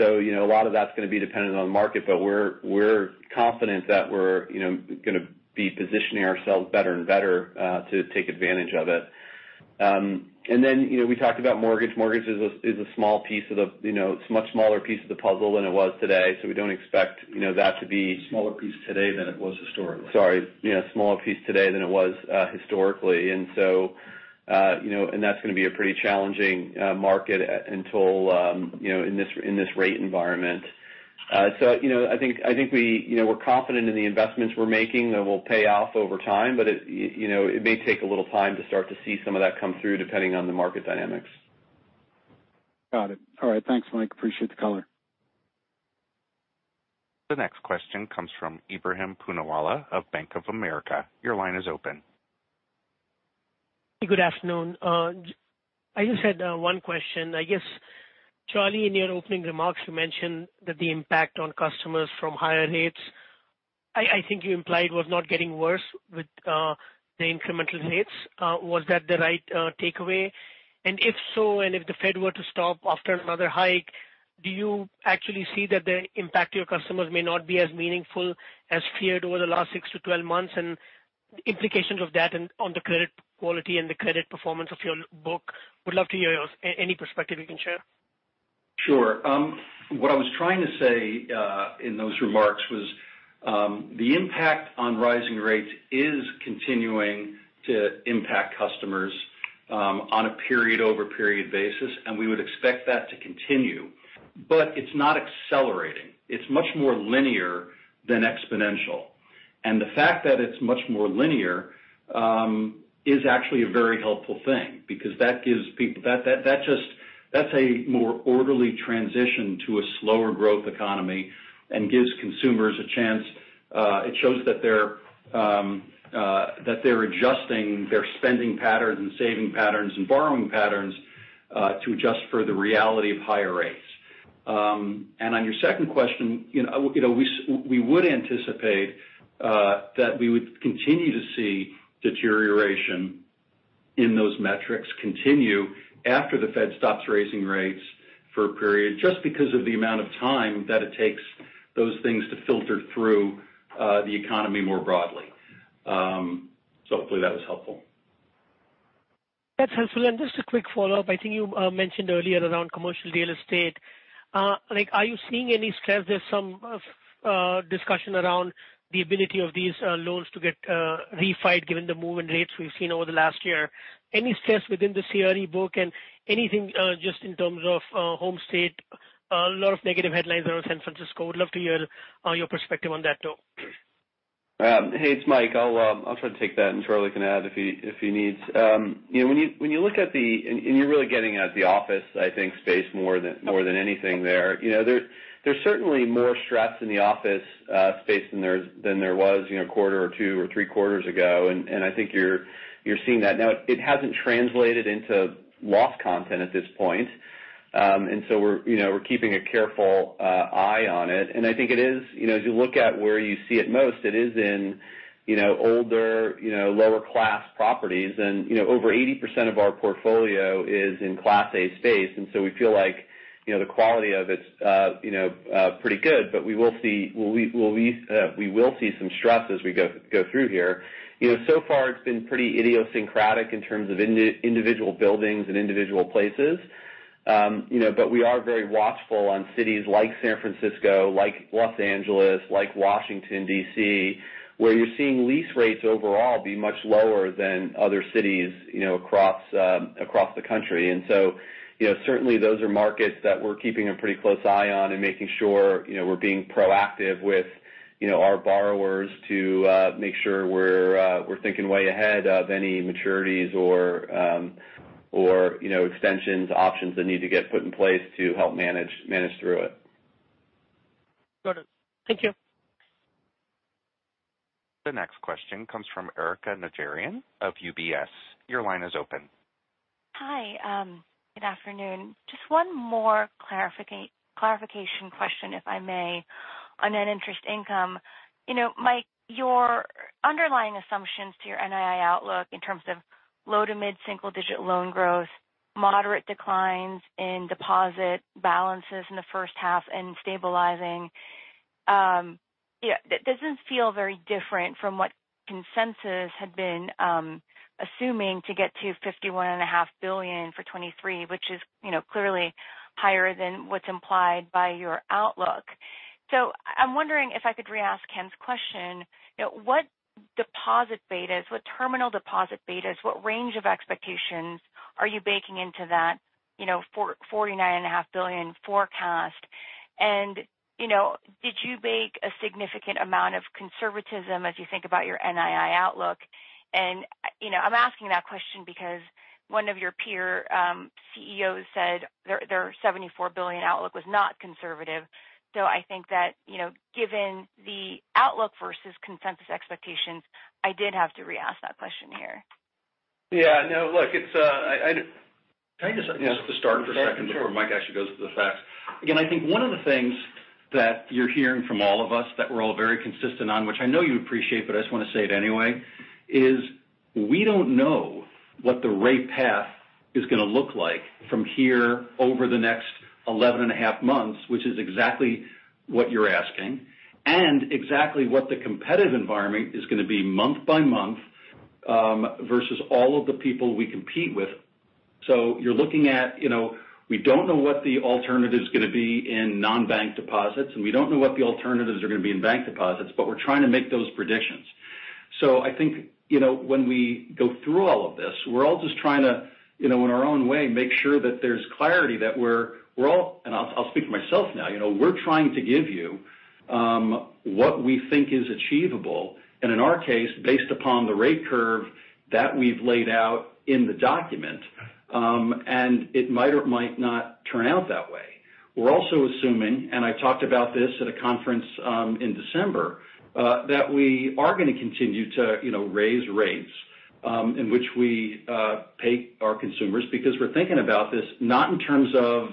You know, a lot of that's gonna be dependent on the market, but we're confident that we're, you know, gonna be positioning ourselves better and better to take advantage of it. Then, you know, we talked about mortgage. Mortgage is a small piece of the, you know, it's a much smaller piece of the puzzle than it was today. We don't expect, you know, that to be. Smaller piece today than it was historically. Sorry. Yeah, smaller piece today than it was historically. You know, and that's gonna be a pretty challenging market until, you know, in this, in this rate environment. You know, I think we, you know, we're confident in the investments we're making that will pay off over time. It, you know, it may take a little time to start to see some of that come through depending on the market dynamics. Got it. All right. Thanks, Mike. Appreciate the color. The next question comes from Ebrahim Poonawala of Bank of America. Your line is open. Good afternoon. I just had one question. I guess, Charlie, in your opening remarks, you mentioned that the impact on customers from higher rates, I think you implied was not getting worse with the incremental rates. Was that the right takeaway? If so, if the Fed were to stop after another hike, do you actually see that the impact to your customers may not be as meaningful as feared over the last 6 to 12 months, and the implications of that on the credit quality and the credit performance of your book? Would love to hear any perspective you can share. Sure. What I was trying to say in those remarks was, the impact on rising rates is continuing to impact customers on a period-over-period basis, and we would expect that to continue. It's not accelerating. It's much more linear than exponential. The fact that it's much more linear is actually a very helpful thing because that gives people a more orderly transition to a slower growth economy and gives consumers a chance. It shows that they're adjusting their spending patterns and saving patterns and borrowing patterns to adjust for the reality of higher rates. On your second question, you know, we would anticipate that we would continue to see deterioration in those metrics continue after the Fed stops raising rates for a period just because of the amount of time that it takes those things to filter through the economy more broadly. Hopefully that was helpful. That's helpful. Just a quick follow-up. I think you mentioned earlier around commercial real estate. Like are you seeing any stress? There's some discussion around the ability of these loans to get refied given the move in rates we've seen over the last year. Any stress within the CRE book and anything just in terms of home state? A lot of negative headlines around San Francisco. Would love to hear your perspective on that too. Hey, it's Mike. I'll try to take that. Charlie can add if he needs. You know, when you look at the... you're really getting at the office, I think, space more than anything there. You know, there's certainly more stress in the office space than there was, you know, a quarter or two or three quarters ago. I think you're seeing that now. It hasn't translated into loss content at this point. So we're, you know, keeping a careful eye on it. I think it is, you know, as you look at where you see it most, it is in, you know, older, lower class properties. You know, over 80% of our portfolio is in Class A space, and so we feel like, you know, the quality of it's, you know, pretty good. We will see, we will see some stress as we go through here. You know, so far it's been pretty idiosyncratic in terms of individual buildings and individual places. You know, but we are very watchful on cities like San Francisco, like Los Angeles, like Washington, DC, where you're seeing lease rates overall be much lower than other cities, you know, across the country. You know, certainly those are markets that we're keeping a pretty close eye on and making sure, you know, we're being proactive with, you know, our borrowers to make sure we're thinking way ahead of any maturities or, you know, extensions, options that need to get put in place to help manage through it. Got it. Thank you. The next question comes from Erika Najarian of UBS. Your line is open. Hi, good afternoon. Just one more clarification question, if I may, on net interest income. You know, Mike, your underlying assumptions to your NII outlook in terms of low to mid-single digit loan growth, moderate declines in deposit balances in the first half, and stabilizing, yeah, that doesn't feel very different from what consensus had been, assuming to get to $51.5 billion for 2023, which is, you know, clearly higher than what's implied by your outlook. I'm wondering if I could re-ask Ken's question. You know, what deposit betas, what terminal deposit betas, what range of expectations are you baking into that, you know, for $49.5 billion forecast? You know, did you bake a significant amount of conservatism as you think about your NII outlook? You know, I'm asking that question because one of your peer CEOs said their $74 billion outlook was not conservative. I think that, you know, given the outlook versus consensus expectations, I did have to re-ask that question here. Yeah. No, look, it's. Can I just start for a second? Yeah, sure, before Mike actually goes to the facts. I think one of the things that you're hearing from all of us that we're all very consistent on, which I know you appreciate, but I just want to say it anyway, is we don't know what the rate path is gonna look like from here over the next eleven and a half months, which is exactly what you're asking, and exactly what the competitive environment is gonna be month by month, versus all of the people we compete with. You're looking at, you know, we don't know what the alternative is gonna be in non-bank deposits, and we don't know what the alternatives are gonna be in bank deposits, but we're trying to make those predictions. I think, you know, when we go through all of this, we're all just trying to, you know, in our own way, make sure that there's clarity that we're all and I'll speak for myself now. You know, we're trying to give you what we think is achievable, and in our case, based upon the rate curve that we've laid out in the document, it might or might not turn out that way. We're also assuming, I talked about this at a conference in December, that we are gonna continue to, you know, raise rates, in which we pay our consumers because we're thinking about this not in terms of,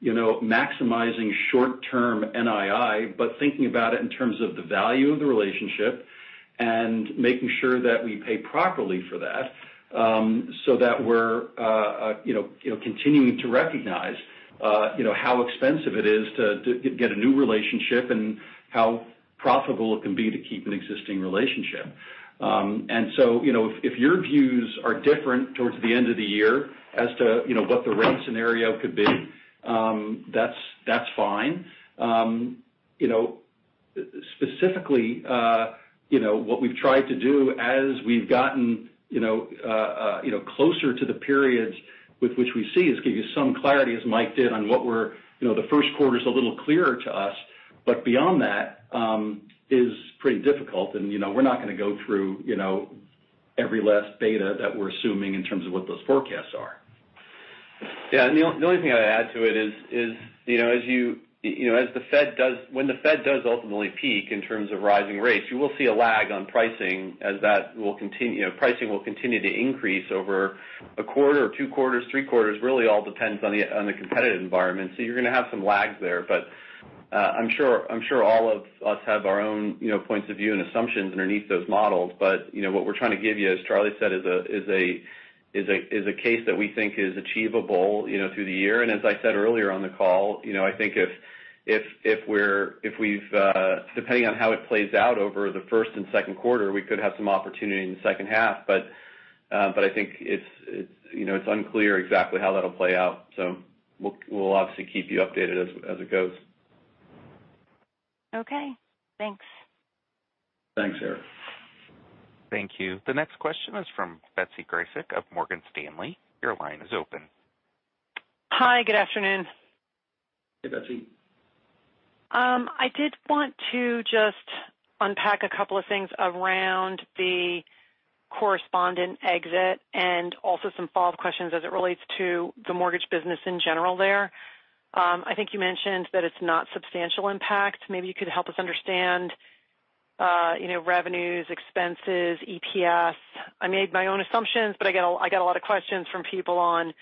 you know, maximizing short-term NII, but thinking about it in terms of the value of the relationship and making sure that we pay properly for that, so that we're, you know, continuing to recognize, you know, how expensive it is to get a new relationship and how profitable it can be to keep an existing relationship. You know, if your views are different towards the end of the year as to, you know, what the rate scenario could be, that's fine. You know, specifically, you know, what we've tried to do as we've gotten, you know, you know, closer to the periods with which we see is give you some clarity, as Mike did, on what we're, you know, the first quarter's a little clearer to us, but beyond that, is pretty difficult. You know, we're not gonna go through, you know, every last beta that we're assuming in terms of what those forecasts are. Yeah. The only thing I'd add to it is, you know, as the Fed does ultimately peak in terms of rising rates, you will see a lag on pricing as that will continue, you know, pricing will continue to increase over a quarter or two quarters, three quarters. Really all depends on the competitive environment. You're gonna have some lags there. I'm sure all of us have our own, you know, points of view and assumptions underneath those models. You know, what we're trying to give you, as Charlie said, is a case that we think is achievable, you know, through the year. As I said earlier on the call, you know, I think if we're, if we've, depending on how it plays out over the first and second quarter, we could have some opportunity in the second half. But I think it's, you know, it's unclear exactly how that'll play out. We'll obviously keep you updated as it goes. Okay, thanks. Thanks, Erika. Thank you. The next question is from Betsy Graseck of Morgan Stanley. Your line is open. Hi. Good afternoon. Hey, Betsy. I did want to just unpack a couple of things around the correspondent exit and also some follow-up questions as it relates to the mortgage business in general there. I think you mentioned that it's not substantial impact. Maybe you could help us understand, you know, revenues, expenses, EPS. I made my own assumptions, but I get a lot of questions from people on,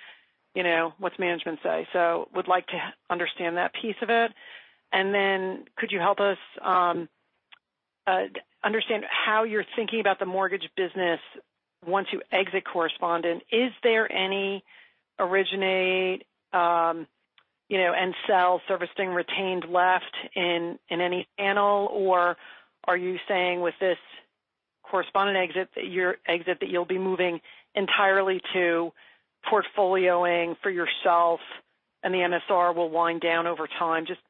you know, what's management say. Would like to understand that piece of it. Then could you help us understand how you're thinking about the mortgage business once you exit correspondent? Is there any originate, you know, and sell servicing retained left in any channel? Are you saying with this correspondent exit that you'll be moving entirely to portfolioing for yourself and the MSR will wind down over time? Just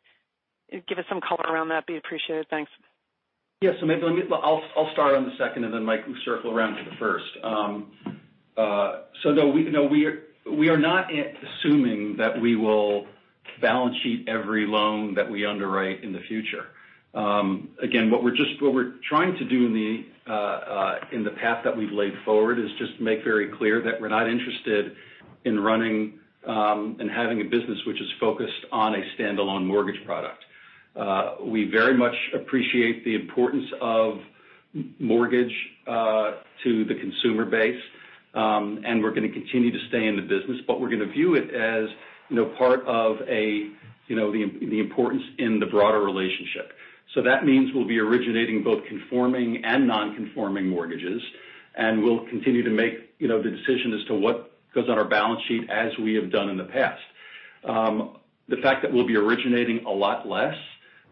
give us some color around that, be appreciated. Thanks. Yes. Maybe I'll start on the second and then, Mike, we circle around to the first. No, we are not assuming that we will balance sheet every loan that we underwrite in the future. Again, what we're trying to do in the path that we've laid forward is just make very clear that we're not interested in running and having a business which is focused on a standalone mortgage product. We very much appreciate the importance of mortgage to the consumer base. We're gonna continue to stay in the business, but we're gonna view it as, you know, part of a, you know, the importance in the broader relationship. That means we'll be originating both conforming and non-conforming mortgages, and we'll continue to make, you know, the decision as to what goes on our balance sheet as we have done in the past. The fact that we'll be originating a lot less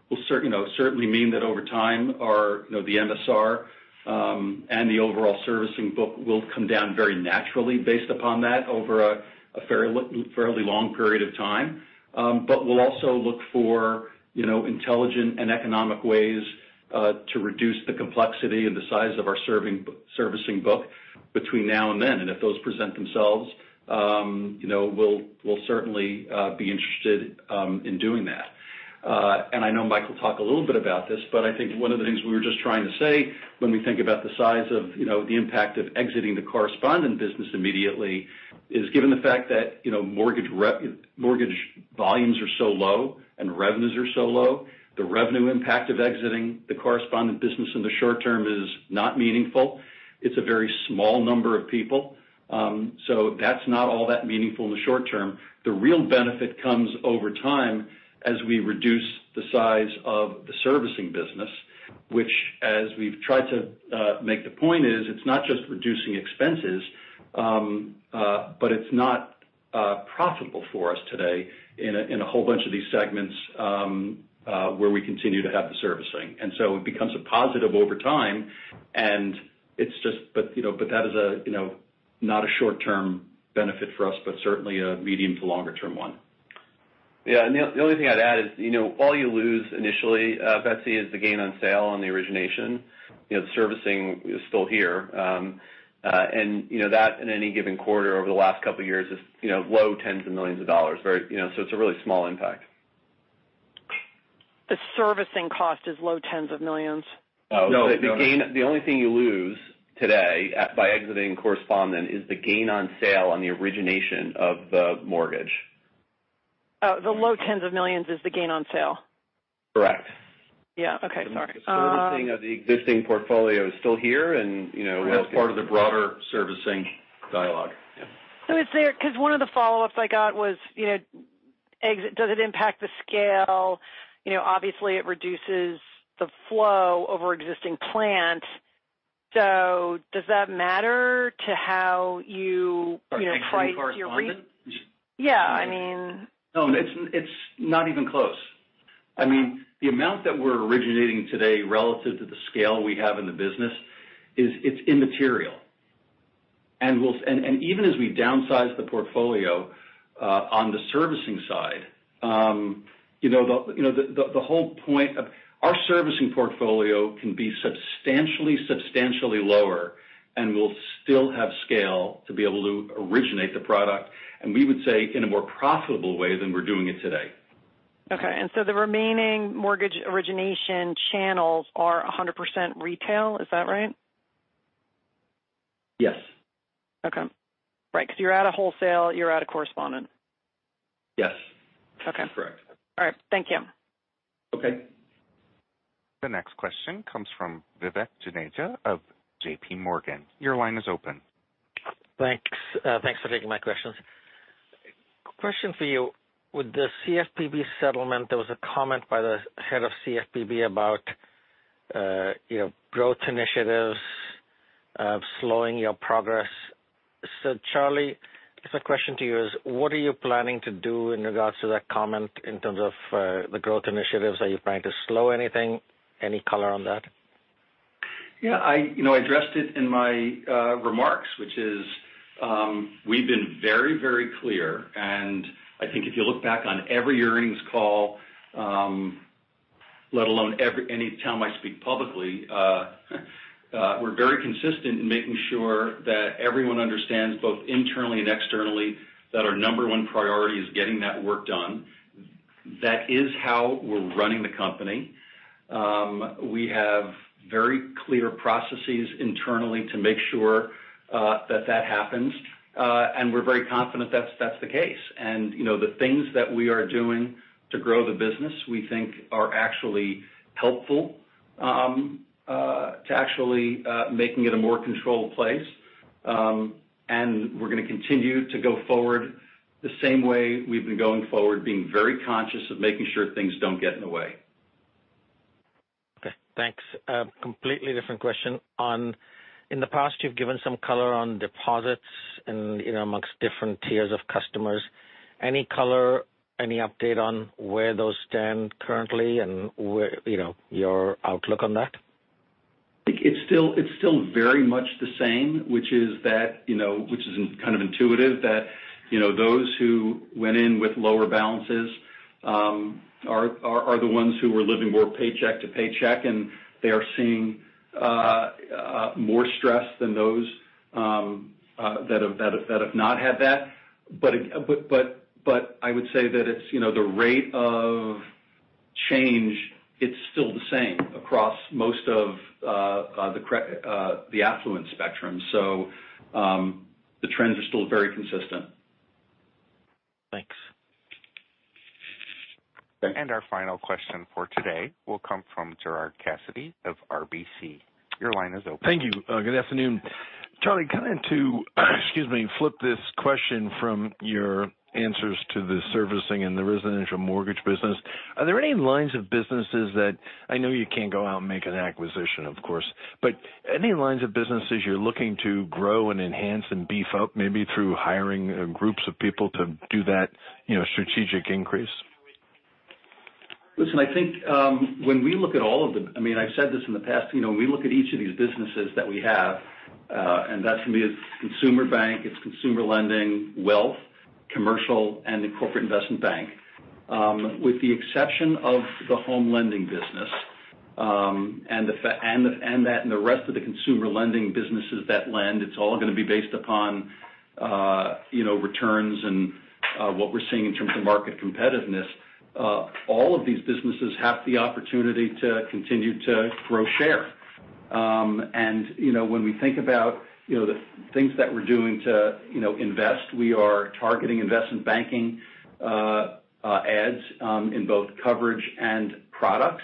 will certainly mean that over time our, you know, the MSR, and the overall servicing book will come down very naturally based upon that over a fairly long period of time. We'll also look for, you know, intelligent and economic ways to reduce the complexity and the size of our servicing book between now and then. If those present themselves, you know, we'll certainly be interested in doing that. I know Mike will talk a little bit about this, but I think one of the things we were just trying to say when we think about the size of the impact of exiting the correspondent business immediately is given the fact that mortgage volumes are so low and revenues are so low, the revenue impact of exiting the correspondent business in the short-term is not meaningful. It's a very small number of people. That's not all that meaningful in the short-term. The real benefit comes over time as we reduce the size of the servicing business, which as we've tried to make the point is, it's not just reducing expenses, but it's not profitable for us today in a whole bunch of these segments where we continue to have the servicing. It becomes a positive over time. You know, that is a, you know, not a short-term benefit for us, but certainly a medium to longer term one. Yeah. The only thing I'd add is, you know, all you lose initially, Betsy, is the gain on sale on the origination. You know, the servicing is still here. You know that in any given quarter over the last couple years is, you know, low tens of millions of dollars. Very, you know, so it's a really small impact. The servicing cost is low tens of millions? No. The only thing you lose today by exiting correspondent is the gain on sale on the origination of the mortgage. Oh, the low $10s of millions is the gain on sale? Correct. Yeah. Okay. Sorry. Servicing of the existing portfolio is still here and, you know. That's part of the broader servicing dialogue. Yeah. 'Cause one of the follow-ups I got was, you know, exit, does it impact the scale? You know, obviously it reduces the flow over existing plant. Does that matter to how you know, price your? Exiting correspondent? Yeah. I mean... No, it's not even close. I mean, the amount that we're originating today relative to the scale we have in the business is it's immaterial. Even as we downsize the portfolio on the servicing side, you know, the whole point of our servicing portfolio can be substantially lower, and we'll still have scale to be able to originate the product, and we would say in a more profitable way than we're doing it today. Okay. The remaining mortgage origination channels are 100% retail. Is that right? Yes. Okay. Right. 'Cause you're out of wholesale, you're out of correspondent. Yes. Okay. Correct. All right. Thank you. Okay. The next question comes from Vivek Juneja of JPMorgan. Your line is open. Thanks. Thanks for taking my questions. Question for you. With the CFPB settlement, there was a comment by the head of CFPB about, you know, growth initiatives, slowing your progress. Charlie, guess my question to you is, what are you planning to do in regards to that comment in terms of the growth initiatives? Are you planning to slow anything? Any color on that? Yeah, I, you know, I addressed it in my remarks, which is, we've been very, very clear, and I think if you look back on every earnings call, let alone any time I speak publicly, we're very consistent in making sure that everyone understands both internally and externally that our number one priority is getting that work done. That is how we're running the company. We have very clear processes internally to make sure that that happens. We're very confident that's the case. You know, the things that we are doing to grow the business, we think are actually helpful to actually making it a more controlled place. We're gonna continue to go forward the same way we've been going forward, being very conscious of making sure things don't get in the way. Okay, thanks. A completely different question. In the past, you've given some color on deposits and, you know, amongst different tiers of customers. Any color, any update on where those stand currently and where, you know, your outlook on that? It's still very much the same, which is that, you know, which is kind of intuitive that, you know, those who went in with lower balances, are the ones who are living more paycheck to paycheck, and they are seeing more stress than those that have not had that. I would say that it's, you know, the rate of change, it's still the same across most of the affluent spectrum. The trends are still very consistent. Thanks. Our final question for today will come from Gerard Cassidy of RBC. Your line is open. Thank you. Good afternoon. Charlie, kind of to, excuse me, flip this question from your answers to the servicing and the residential mortgage business, are there any lines of businesses that... I know you can't go out and make an acquisition, of course, but any lines of businesses you're looking to grow and enhance and beef up, maybe through hiring, groups of people to do that, you know, strategic increase? Listen, I think, when we look at all of the... I mean, I've said this in the past. You know, when we look at each of these businesses that we have, and that for me is consumer bank, it's consumer lending, wealth, commercial, and the corporate investment bank. With the exception of the home lending business, and the rest of the consumer lending businesses that lend, it's all gonna be based upon, you know, returns and what we're seeing in terms of market competitiveness. All of these businesses have the opportunity to continue to grow share. You know, when we think about, you know, the things that we're doing to, you know, invest, we are targeting investment banking, ads, in both coverage and products.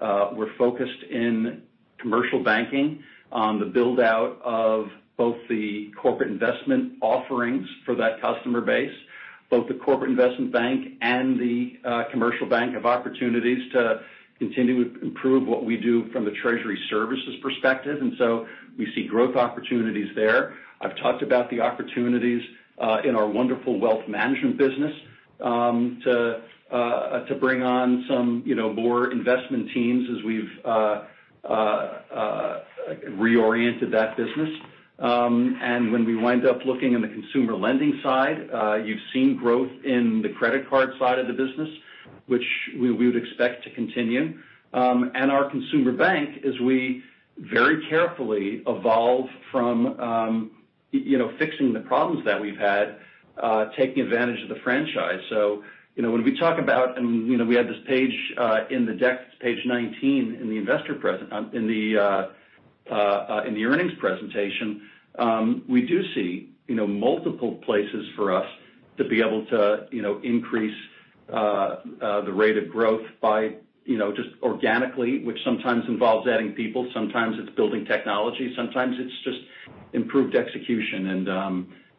We're focused in commercial banking on the build-out of both the corporate investment offerings for that customer base. Both the corporate investment bank and the commercial bank have opportunities to continue to improve what we do from a treasury services perspective. So we see growth opportunities there. I've talked about the opportunities in our wonderful wealth management business to bring on some, you know, more investment teams as we've reoriented that business. When we wind up looking in the consumer lending side, you've seen growth in the credit card side of the business, which we would expect to continue. Our consumer bank, as we very carefully evolve from, you know, fixing the problems that we've had, taking advantage of the franchise. You know, when we talk about, and, you know, we had this page, in the deck, page 19 in the earnings presentation. We do see, you know, multiple places for us to be able to, you know, increase the rate of growth by, you know, just organically, which sometimes involves adding people, sometimes it's building technology, sometimes it's just improved execution.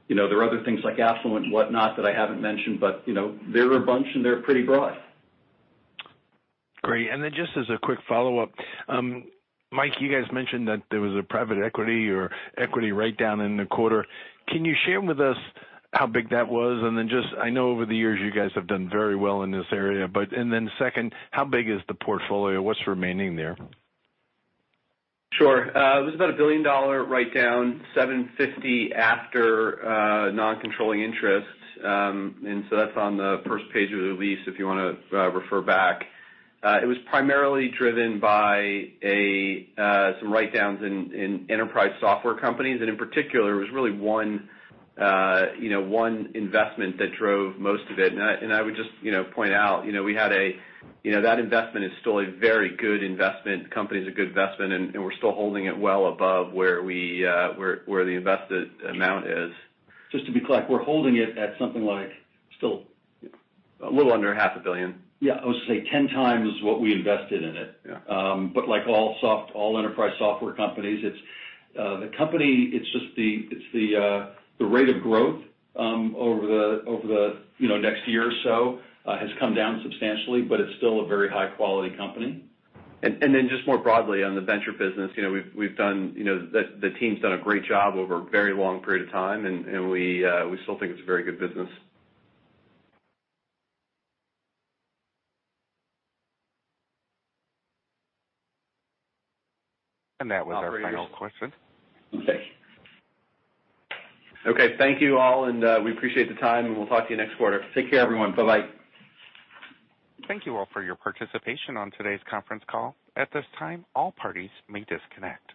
You know, there are other things like affluent and whatnot that I haven't mentioned. You know, there are a bunch and they're pretty broad. Great. Just as a quick follow-up. Mike, you guys mentioned that there was a private equity or equity write down in the quarter. Can you share with us how big that was? Just, I know over the years you guys have done very well in this area. Second, how big is the portfolio? What's remaining there? Sure. It was about a $1 billion write-down, $750 after non-controlling interest. That's on the first page of the release, if you wanna refer back. It was primarily driven by some write-downs in enterprise software companies. In particular, it was really one, you know, one investment that drove most of it. I would just, you know, point out, you know, that investment is still a very good investment. The company's a good investment, and we're still holding it well above where we, where the invested amount is. Just to be clear, we're holding it at something like still- A little under half a billion. Yeah. I was gonna say 10 times what we invested in it. Yeah. Like all enterprise software companies, it's just the rate of growth over the, you know, next year or so, has come down substantially, but it's still a very high quality company. Just more broadly on the venture business. You know, we've done, you know. The team's done a great job over a very long period of time and we still think it's a very good business. That was our final question. Okay. Okay. Thank you, all, and we appreciate the time, and we'll talk to you next quarter. Take care, everyone. Bye-bye. Thank you all for your participation on today's conference call. At this time, all parties may disconnect.